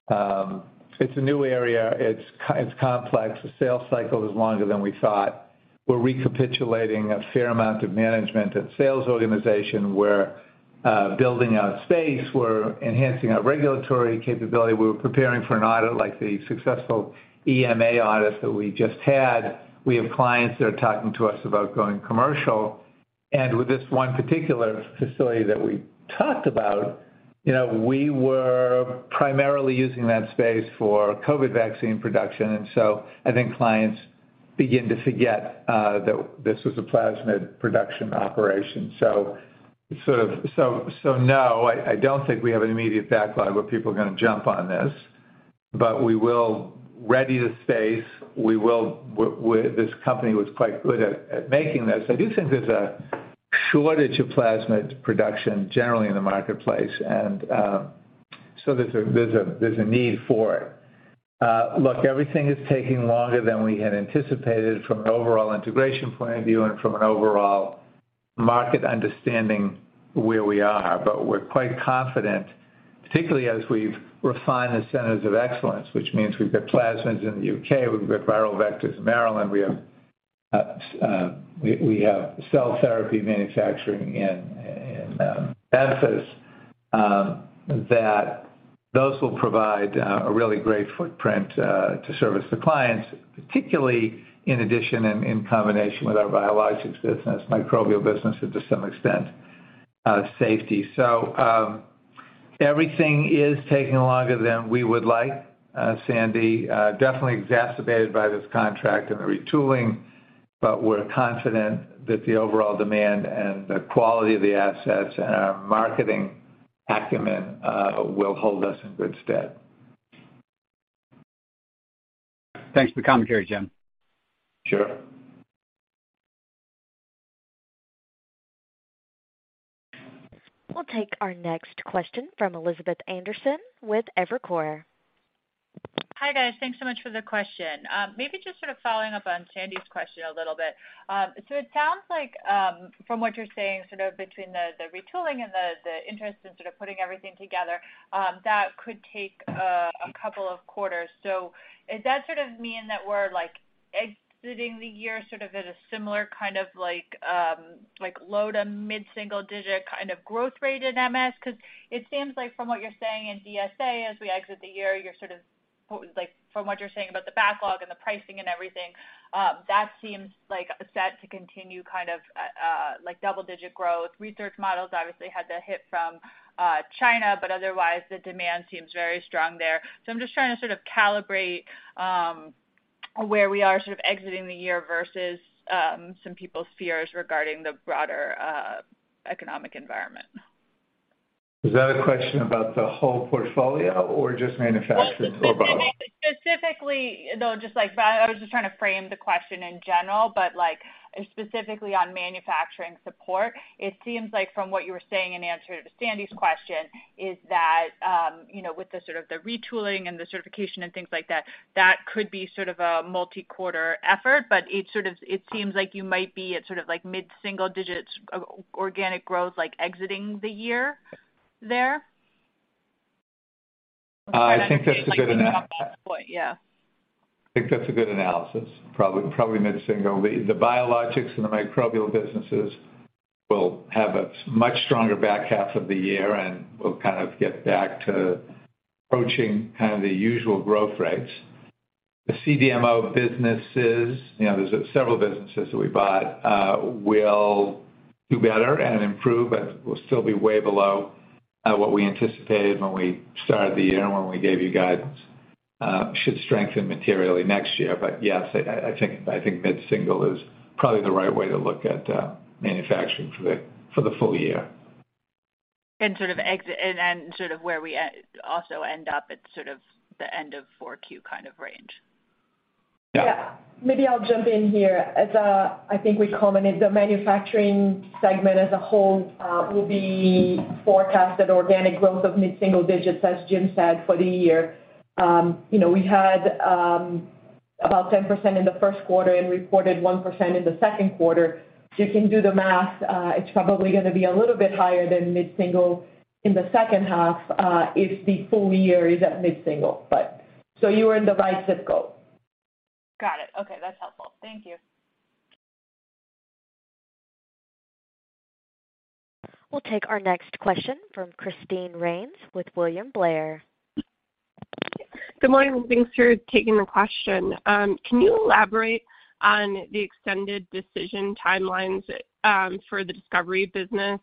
it's a new area. It's complex. The sales cycle is longer than we thought. We're recapitulating a fair amount of management and sales organization. We're building out space. We're enhancing our regulatory capability. We're preparing for an audit like the successful EMA audits that we just had. We have clients that are talking to us about going commercial. With this one particular facility that we talked about, you know, we were primarily using that space for COVID vaccine production. I think clients begin to forget that this was a plasmid production operation. No, I don't think we have an immediate backlog where people are gonna jump on this, but we will ready the space. We will. This company was quite good at making this. I do think there's a shortage of plasmid production generally in the marketplace. There's a need for it. Look, everything is taking longer than we had anticipated from an overall integration point of view and from an overall market understanding where we are. We're quite confident, particularly as we've refined the centers of excellence, which means we've got plasmids in the U.K., we've got viral vectors in Maryland, we have cell therapy manufacturing in Memphis, that those will provide a really great footprint to service the clients, particularly in addition and in combination with our biologics business, microbial business to some extent, safety. Everything is taking longer than we would like, Sandy, definitely exacerbated by this contract and the retooling, but we're confident that the overall demand and the quality of the assets and our marketing acumen will hold us in good stead. Thanks for the commentary, Jim. Sure. We'll take our next question from Elizabeth Anderson with Evercore. Hi, guys. Thanks so much for the question. Maybe just sort of following up on Sandy's question a little bit. It sounds like, from what you're saying, sort of between the retooling and the interest in sort of putting everything together, that could take a couple of quarters. Does that sort of mean that we're like exiting the year sort of at a similar kind of like low- to mid-single-digit kind of growth rate in RMS? 'Cause it seems like from what you're saying in DSA, as we exit the year, like from what you're saying about the backlog and the pricing and everything, that seems like set to continue kind of like double-digit growth. Research models obviously had the hit from China, but otherwise the demand seems very strong there. I'm just trying to sort of calibrate where we are sort of exiting the year versus some people's fears regarding the broader economic environment. Is that a question about the whole portfolio or just manufacturing or both? Well, specifically, though, just like I was just trying to frame the question in general, but like specifically on manufacturing support, it seems like from what you were saying in answer to Sandy's question is that, you know, with the sort of the retooling and the certification and things like that could be sort of a multi-quarter effort, but it sort of, it seems like you might be at sort of like mid-single digits of organic growth, like exiting the year there. I think that's a good analysis. Yeah. I think that's a good analysis. Probably mid-single. The biologics and the microbial businesses will have a much stronger back half of the year, and we'll kind of get back to approaching kind of the usual growth rates. The CDMO businesses, you know, there's several businesses that we bought will do better and improve, but we'll still be way below what we anticipated when we started the year, when we gave you guidance. Should strengthen materially next year. Yes, I think mid-single is probably the right way to look at manufacturing for the full year. Sort of where we also end up at sort of the end of 4Q kind of range. Yeah. Yeah. Maybe I'll jump in here. As I think we commented, the manufacturing segment as a whole will be forecasted organic growth of mid-single digits, as Jim said, for the year. You know, we had about 10% in the first quarter and reported 1% in the second quarter. So you can do the math. It's probably gonna be a little bit higher than mid-single in the second half if the full year is at mid-single. You are in the right zip code. Got it. Okay, that's helpful. Thank you. We'll take our next question from Christine Rains with William Blair. Good morning, thanks for taking the question. Can you elaborate on the extended decision timelines for the discovery business?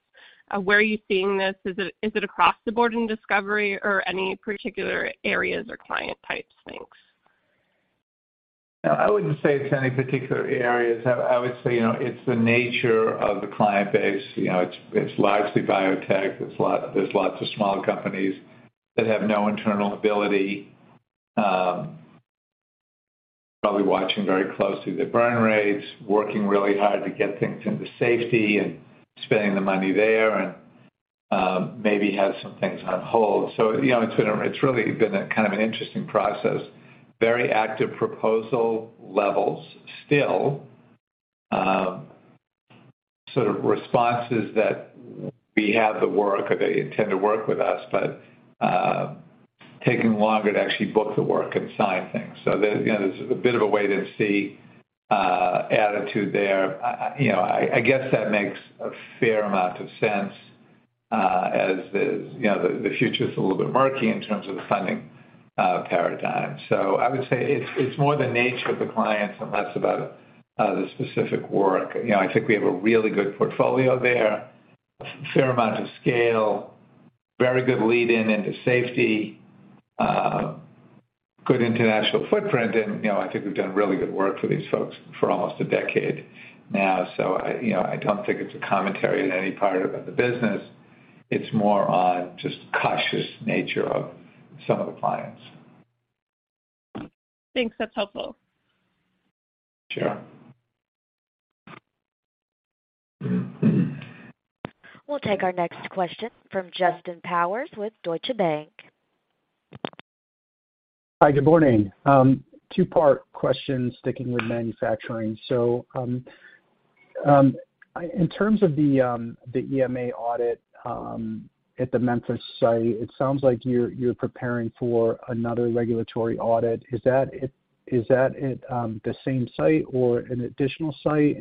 Where are you seeing this? Is it across the board in discovery or any particular areas or client types? Thanks. I wouldn't say it's any particular areas. I would say, you know, it's the nature of the client base. You know, it's largely biotech. There's lots of small companies that have no internal ability, probably watching very closely the burn rates, working really hard to get things into safety and spending the money there and, maybe have some things on hold. So, you know, it's really been a kind of an interesting process. Very active proposal levels still. Sort of responses that we have the work or they intend to work with us, but taking longer to actually book the work and sign things. So there, you know, there's a bit of a wait and see attitude there. You know, I guess that makes a fair amount of sense, as you know, the future's a little bit murky in terms of the funding paradigm. I would say it's more the nature of the clients and less about the specific work. You know, I think we have a really good portfolio there, a fair amount of scale, very good lead in into safety, good international footprint, and, you know, I think we've done really good work for these folks for almost a decade now. You know, I don't think it's a commentary on any part of the business. It's more on just cautious nature of some of the clients. Thanks. That's helpful. Sure. We'll take our next question from Justin Bowers with Deutsche Bank. Hi. Good morning. Two-part question, sticking with manufacturing. In terms of the EMA audit at the Memphis site, it sounds like you're preparing for another regulatory audit. Is that at the same site or an additional site?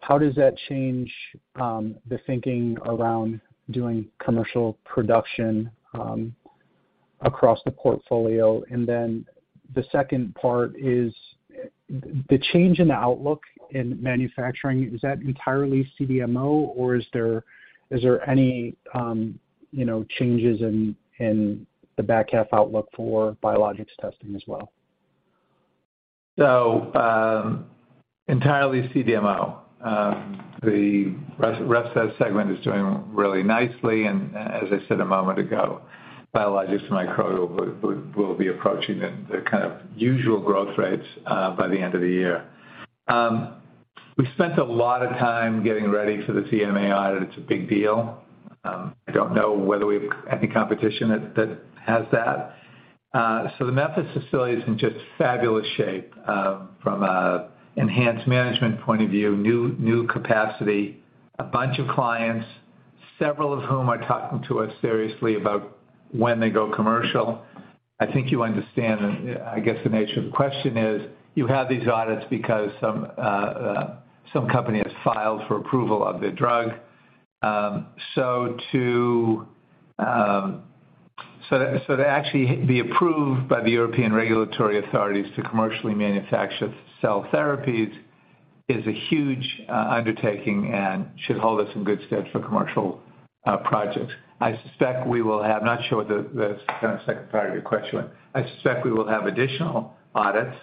How does that change the thinking around doing commercial production across the portfolio? The second part is the change in the outlook in manufacturing. Is that entirely CDMO, or is there any you know changes in the back half outlook for biologics testing as well? Entirely CDMO. The REF Test segment is doing really nicely, and as I said a moment ago, biologics and micro will be approaching the kind of usual growth rates by the end of the year. We've spent a lot of time getting ready for the EMA audit. It's a big deal. I don't know whether we've any competition that has that. The Memphis facility is in just fabulous shape from an enhanced management point of view, new capacity, a bunch of clients, several of whom are talking to us seriously about when they go commercial. I think you understand, and I guess the nature of the question is you have these audits because some company has filed for approval of their drug. To actually be approved by the European regulatory authorities to commercially manufacture cell therapies is a huge undertaking and should hold us in good stead for commercial projects. I suspect we will have. I'm not sure what the kind of second part of your question was. I suspect we will have additional audits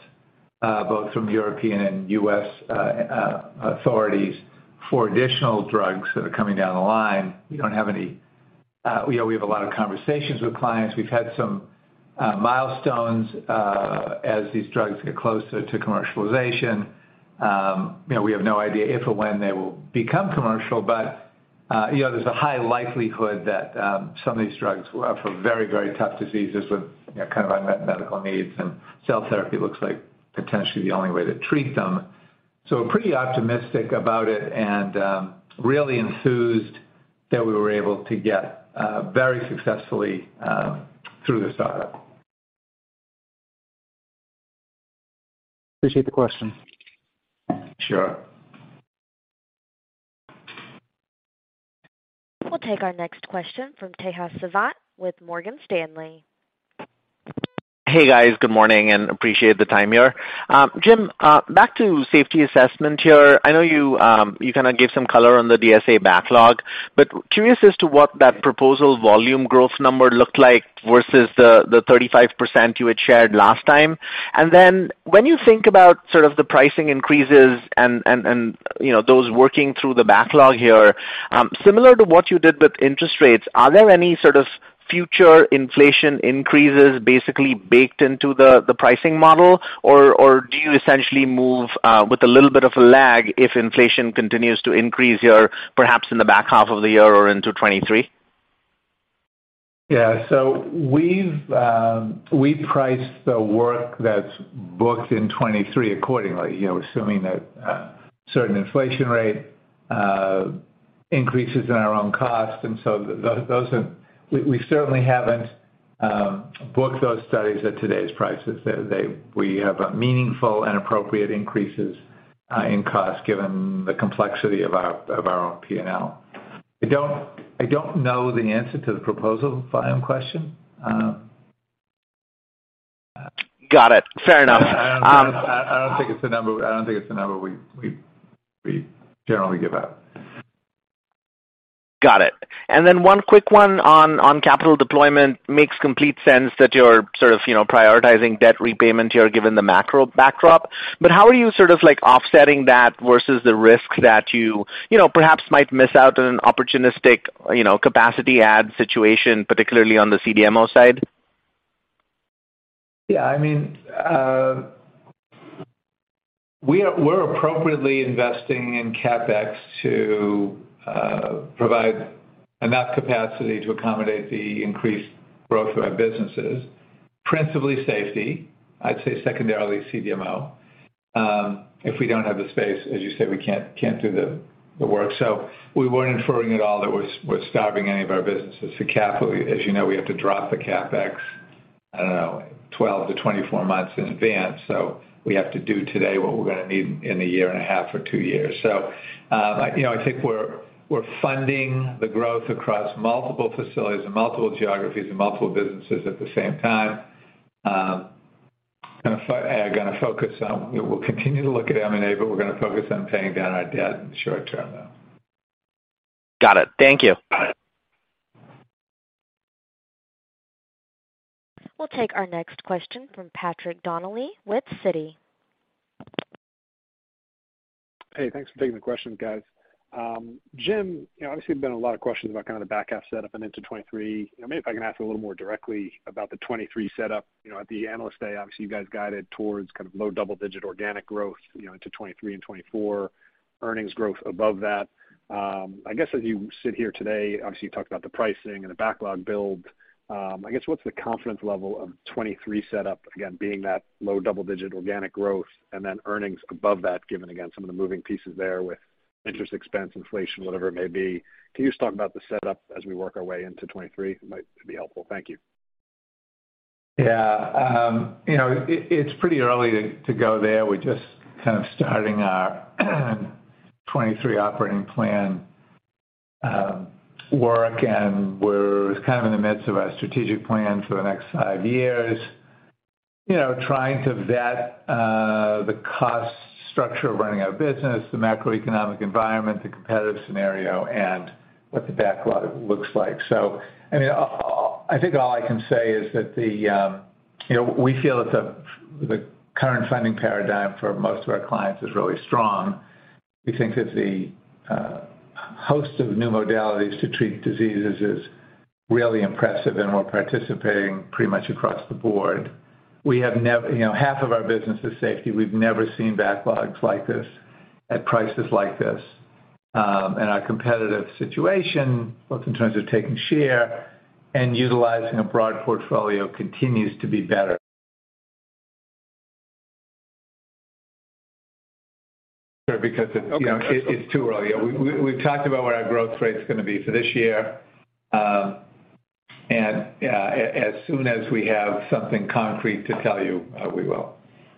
both from European and U.S. authorities for additional drugs that are coming down the line. We don't have any, you know, we have a lot of conversations with clients. We've had some milestones as these drugs get closer to commercialization. You know, we have no idea if or when they will become commercial, but, you know, there's a high likelihood that, some of these drugs are for very, very tough diseases with, you know, kind of unmet medical needs, and cell therapy looks like potentially the only way to treat them. We're pretty optimistic about it and, really enthused that we were able to get, very successfully, through this audit. Appreciate the question. Sure. We'll take our next question from Tejas Savant with Morgan Stanley. Hey, guys. Good morning and appreciate the time here. Jim, back to safety assessment here. I know you kinda gave some color on the DSA backlog, but curious as to what that proposal volume growth number looked like versus the 35% you had shared last time. When you think about sort of the pricing increases and you know those working through the backlog here, similar to what you did with interest rates, are there any sort of future inflation increases basically baked into the pricing model? Or do you essentially move with a little bit of a lag if inflation continues to increase here, perhaps in the back half of the year or into 2023? Yeah. We've priced the work that's booked in 2023 accordingly, you know, assuming that certain inflation rate increases in our own cost. Those are. We certainly haven't booked those studies at today's prices. We have meaningful and appropriate increases in cost given the complexity of our own P&L. I don't know the answer to the proposal volume question. Got it. Fair enough. I don't think it's a number we generally give out. Got it. One quick one on capital deployment. Makes complete sense that you're sort of, you know, prioritizing debt repayment here given the macro backdrop. How are you sort of like offsetting that versus the risk that you know, perhaps might miss out on an opportunistic, you know, capacity add situation, particularly on the CDMO side? Yeah, I mean, we're appropriately investing in CapEx to provide enough capacity to accommodate the increased growth of our businesses, principally safety, I'd say secondarily CDMO. If we don't have the space, as you say, we can't do the work. We weren't inferring at all that we're starving any of our businesses for capital. As you know, we have to drop the CapEx 12 months-24 months in advance, so we have to do today what we're gonna need in a year and a half or two years. You know, I think we're funding the growth across multiple facilities and multiple geographies and multiple businesses at the same time. We'll continue to look at M&A, but we're gonna focus on paying down our debt in the short term now. Got it. Thank you. Got it. We'll take our next question from Patrick Donnelly with Citi. Hey, thanks for taking the question, guys. Jim, you know, obviously there's been a lot of questions about kind of the back half setup and into 2023. Maybe if I can ask a little more directly about the 2023 setup. You know, at the Analyst Day, obviously, you guys guided towards kind of low double-digit organic growth, you know, into 2023 and 2024, earnings growth above that. I guess as you sit here today, obviously you talked about the pricing and the backlog build. I guess, what's the confidence level of 2023 setup, again, being that low double-digit organic growth and then earnings above that, given, again, some of the moving pieces there with interest expense, inflation, whatever it may be? Can you just talk about the setup as we work our way into 2023? It might be helpful. Thank you. Yeah. You know, it's pretty early to go there. We're just kind of starting our 2023 operating plan work, and we're kind of in the midst of our strategic plan for the next five years, you know, trying to vet the cost structure of running our business, the macroeconomic environment, the competitive scenario, and what the backlog looks like. I mean, I think all I can say is that, you know, we feel that the current funding paradigm for most of our clients is really strong. We think that the host of new modalities to treat diseases is really impressive, and we're participating pretty much across the board. You know, half of our business is safety. We've never seen backlogs like this at prices like this. Our competitive situation, both in terms of taking share and utilizing a broad portfolio, continues to be better. Because it's, you know, it's too early. We've talked about what our growth rate's gonna be for this year, and as soon as we have something concrete to tell you, we will.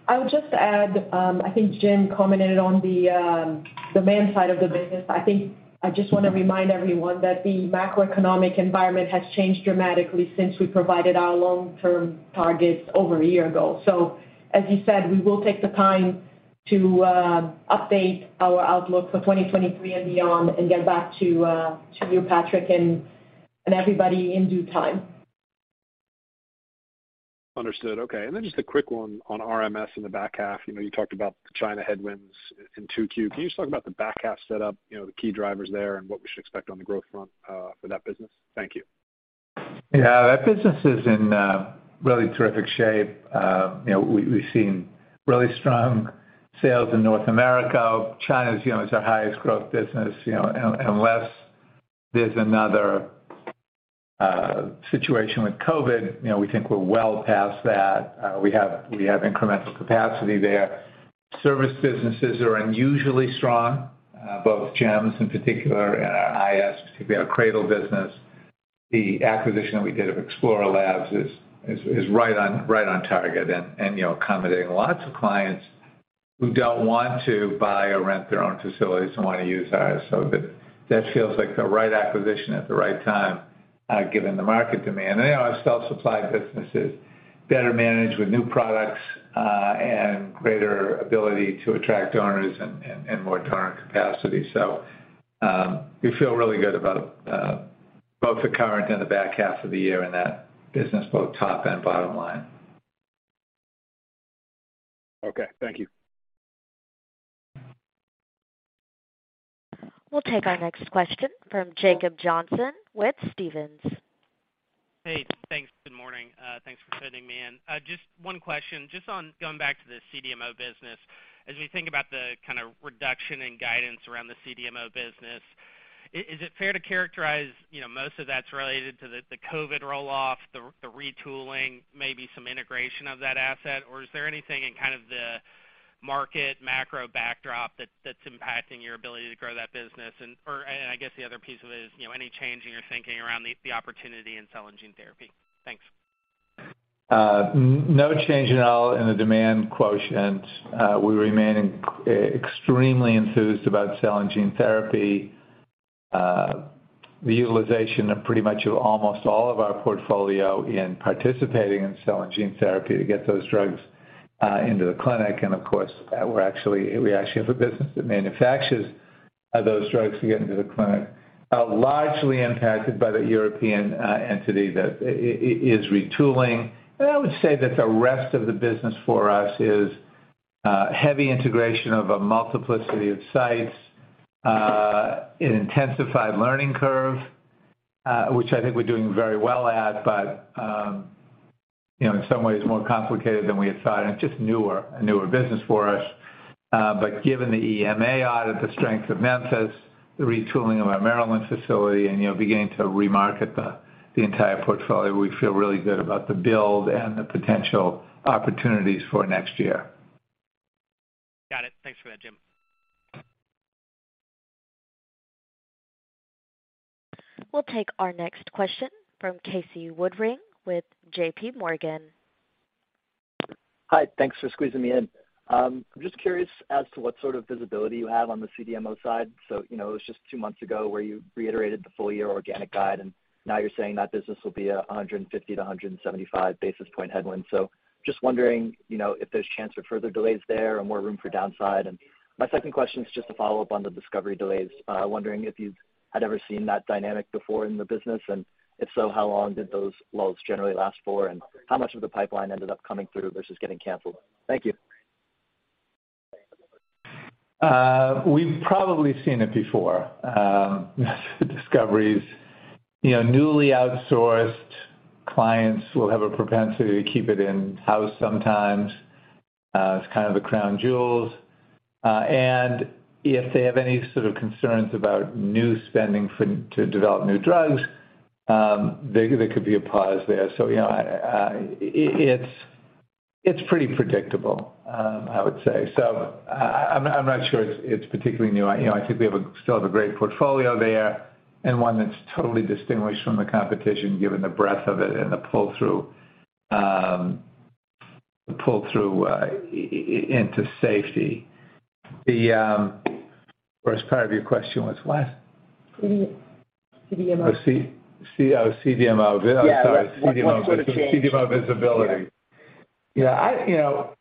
I would just add, I think Jim commented on the demand side of the business. I think I just wanna remind everyone that the macroeconomic environment has changed dramatically since we provided our long-term targets over a year ago. As he said, we will take the time to update our outlook for 2023 and beyond and get back to you, Patrick, and everybody in due time. Understood. Okay. Just a quick one on RMS in the back half. You know, you talked about the China headwinds in 2Q. Can you just talk about the back half setup, you know, the key drivers there and what we should expect on the growth front for that business? Thank you. Yeah. That business is in really terrific shape. You know, we've seen really strong sales in North America. China's, you know, is our highest growth business, you know, unless there's another situation with COVID. You know, we think we're well past that. We have incremental capacity there. Service businesses are unusually strong, both GEMS in particular and our IS, particularly our CRADL business. The acquisition that we did of Explora BioLabs is right on target and, you know, accommodating lots of clients who don't want to buy or rent their own facilities and wanna use ours. That feels like the right acquisition at the right time, given the market demand. You know, our self-supply business is better managed with new products and greater ability to attract owners and more current capacity. We feel really good about both the current and the back half of the year in that business, both top and bottom line. Okay, thank you. We'll take our next question from Jacob Johnson with Stephens. Hey, thanks. Good morning. Thanks for fitting me in. Just one question, just on going back to the CDMO business. As we think about the kind of reduction in guidance around the CDMO business, is it fair to characterize, you know, most of that's related to the COVID roll-off, the retooling, maybe some integration of that asset? Or is there anything in kind of the market macro backdrop that's impacting your ability to grow that business? And/or, and I guess the other piece of it is, you know, any change in your thinking around the opportunity in cell and gene therapy? Thanks. No change at all in the demand quotient. We remain extremely enthused about cell and gene therapy. The utilization of pretty much of almost all of our portfolio in participating in cell and gene therapy to get those drugs into the clinic, and of course, we actually have a business that manufactures of those drugs to get into the clinic, largely impacted by the European entity that is retooling. I would say that the rest of the business for us is heavy integration of a multiplicity of sites, an intensified learning curve, which I think we're doing very well at, but you know, in some ways more complicated than we had thought and just newer, a newer business for us. Given the EMA audit, the strength of Memphis, the retooling of our Maryland facility, and, you know, beginning to remarket the entire portfolio, we feel really good about the build and the potential opportunities for next year. Got it. Thanks for that, Jim. We'll take our next question from Casey Woodring with JPMorgan. Hi. Thanks for squeezing me in. I'm just curious as to what sort of visibility you have on the CDMO side. You know, it was just two months ago where you reiterated the full year organic guide, and now you're saying that business will be 150 basis points to 175 basis point headwind. Just wondering, you know, if there's chance for further delays there or more room for downside. My second question is just a follow-up on the discovery delays. Wondering if you had ever seen that dynamic before in the business, and if so, how long did those lulls generally last for, and how much of the pipeline ended up coming through versus getting canceled? Thank you. We've probably seen it before, the discoveries. You know, newly outsourced clients will have a propensity to keep it in-house sometimes. It's kind of the crown jewels. If they have any sort of concerns about new spending for to develop new drugs, there could be a pause there. You know, I... It's pretty predictable, I would say. I'm not sure it's particularly new. You know, I think we still have a great portfolio there, and one that's totally distinguished from the competition, given the breadth of it and the pull-through into safety. First part of your question was what? CRO, CDMO. Oh, CDMO. Yeah. I'm sorry. CDMO. What's been the change? CDMO visibility. You know,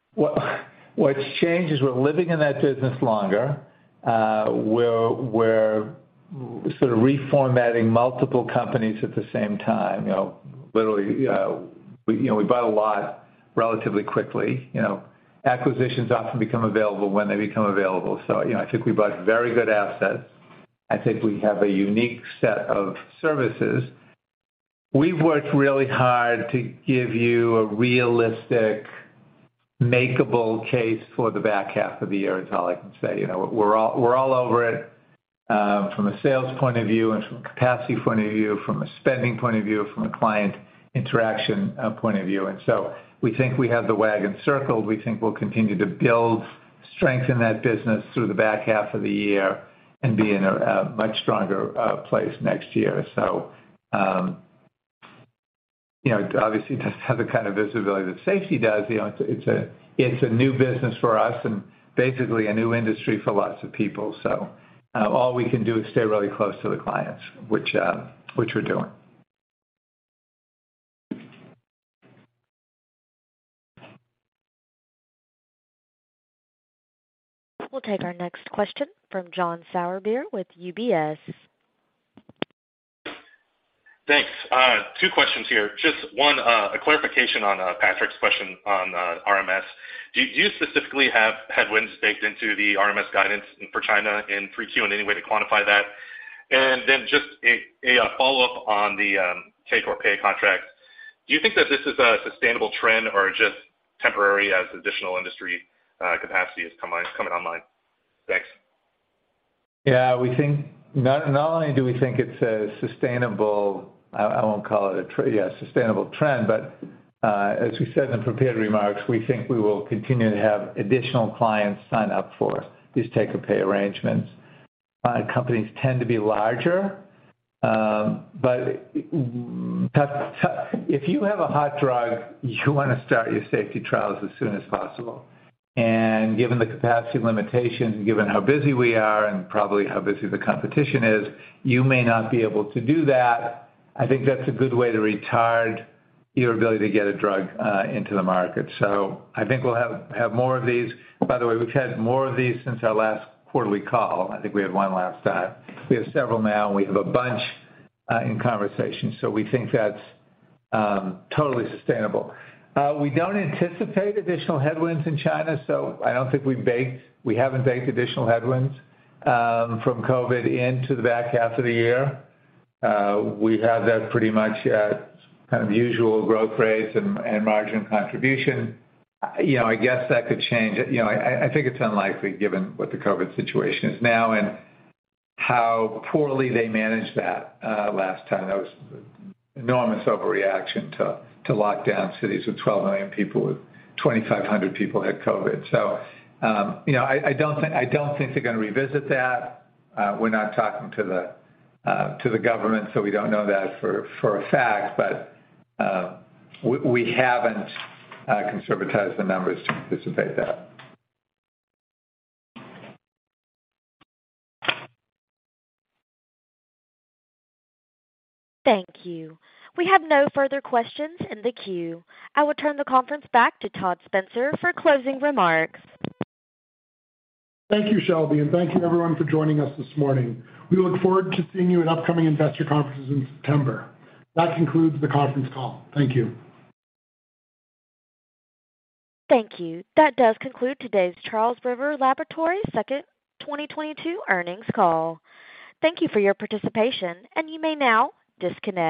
what's changed is we're living in that business longer. We're sort of reformatting multiple companies at the same time. You know, literally, you know, we bought a lot relatively quickly. You know, acquisitions often become available when they become available. You know, I think we bought very good assets. I think we have a unique set of services. We've worked really hard to give you a realistic makeable case for the back half of the year, is all I can say. You know, we're all over it from a sales point of view and from a capacity point of view, from a spending point of view, from a client interaction point of view. We think we have the wagons circled. We think we'll continue to build strength in that business through the back half of the year and be in a much stronger place next year. You know, obviously it doesn't have the kind of visibility that safety does. You know, it's a new business for us and basically a new industry for lots of people. All we can do is stay really close to the clients, which we're doing. We'll take our next question from John Sourbeer with UBS. Thanks. Two questions here. Just one, a clarification on Patrick's question on RMS. Do you specifically have headwinds baked into the RMS guidance for China in 3Q, and any way to quantify that? Just a follow-up on the take-or-pay contracts. Do you think that this is a sustainable trend or just temporary as additional industry capacity is coming online? Thanks. Yeah, we think not only do we think it's a sustainable. I won't call it a trend, yeah, sustainable trend, but as we said in prepared remarks, we think we will continue to have additional clients sign up for these take-or-pay arrangements. Companies tend to be larger. If you have a hot drug, you wanna start your safety trials as soon as possible. Given the capacity limitations, given how busy we are and probably how busy the competition is, you may not be able to do that. I think that's a good way to retard your ability to get a drug into the market. I think we'll have more of these. By the way, we've had more of these since our last quarterly call. I think we had one last time. We have several now, and we have a bunch in conversation. We think that's totally sustainable. We don't anticipate additional headwinds in China, so we haven't baked additional headwinds from COVID into the back half of the year. We have that pretty much at kind of usual growth rates and margin contribution. You know, I guess that could change. You know, I think it's unlikely given what the COVID situation is now and how poorly they managed that last time. That was an enormous overreaction to lock down cities with 12 million people, with 2,500 people who had COVID. You know, I don't think they're gonna revisit that. We're not talking to the government, so we don't know that for a fact. We haven't conservatized the numbers to anticipate that. Thank you. We have no further questions in the queue. I will turn the conference back to Todd Spencer for closing remarks. Thank you, Shelby, and thank you everyone for joining us this morning. We look forward to seeing you at upcoming investor conferences in September. That concludes the conference call. Thank you. Thank you. That does conclude today's Charles River Laboratories Second 2022 earnings call. Thank you for your participation, and you may now disconnect.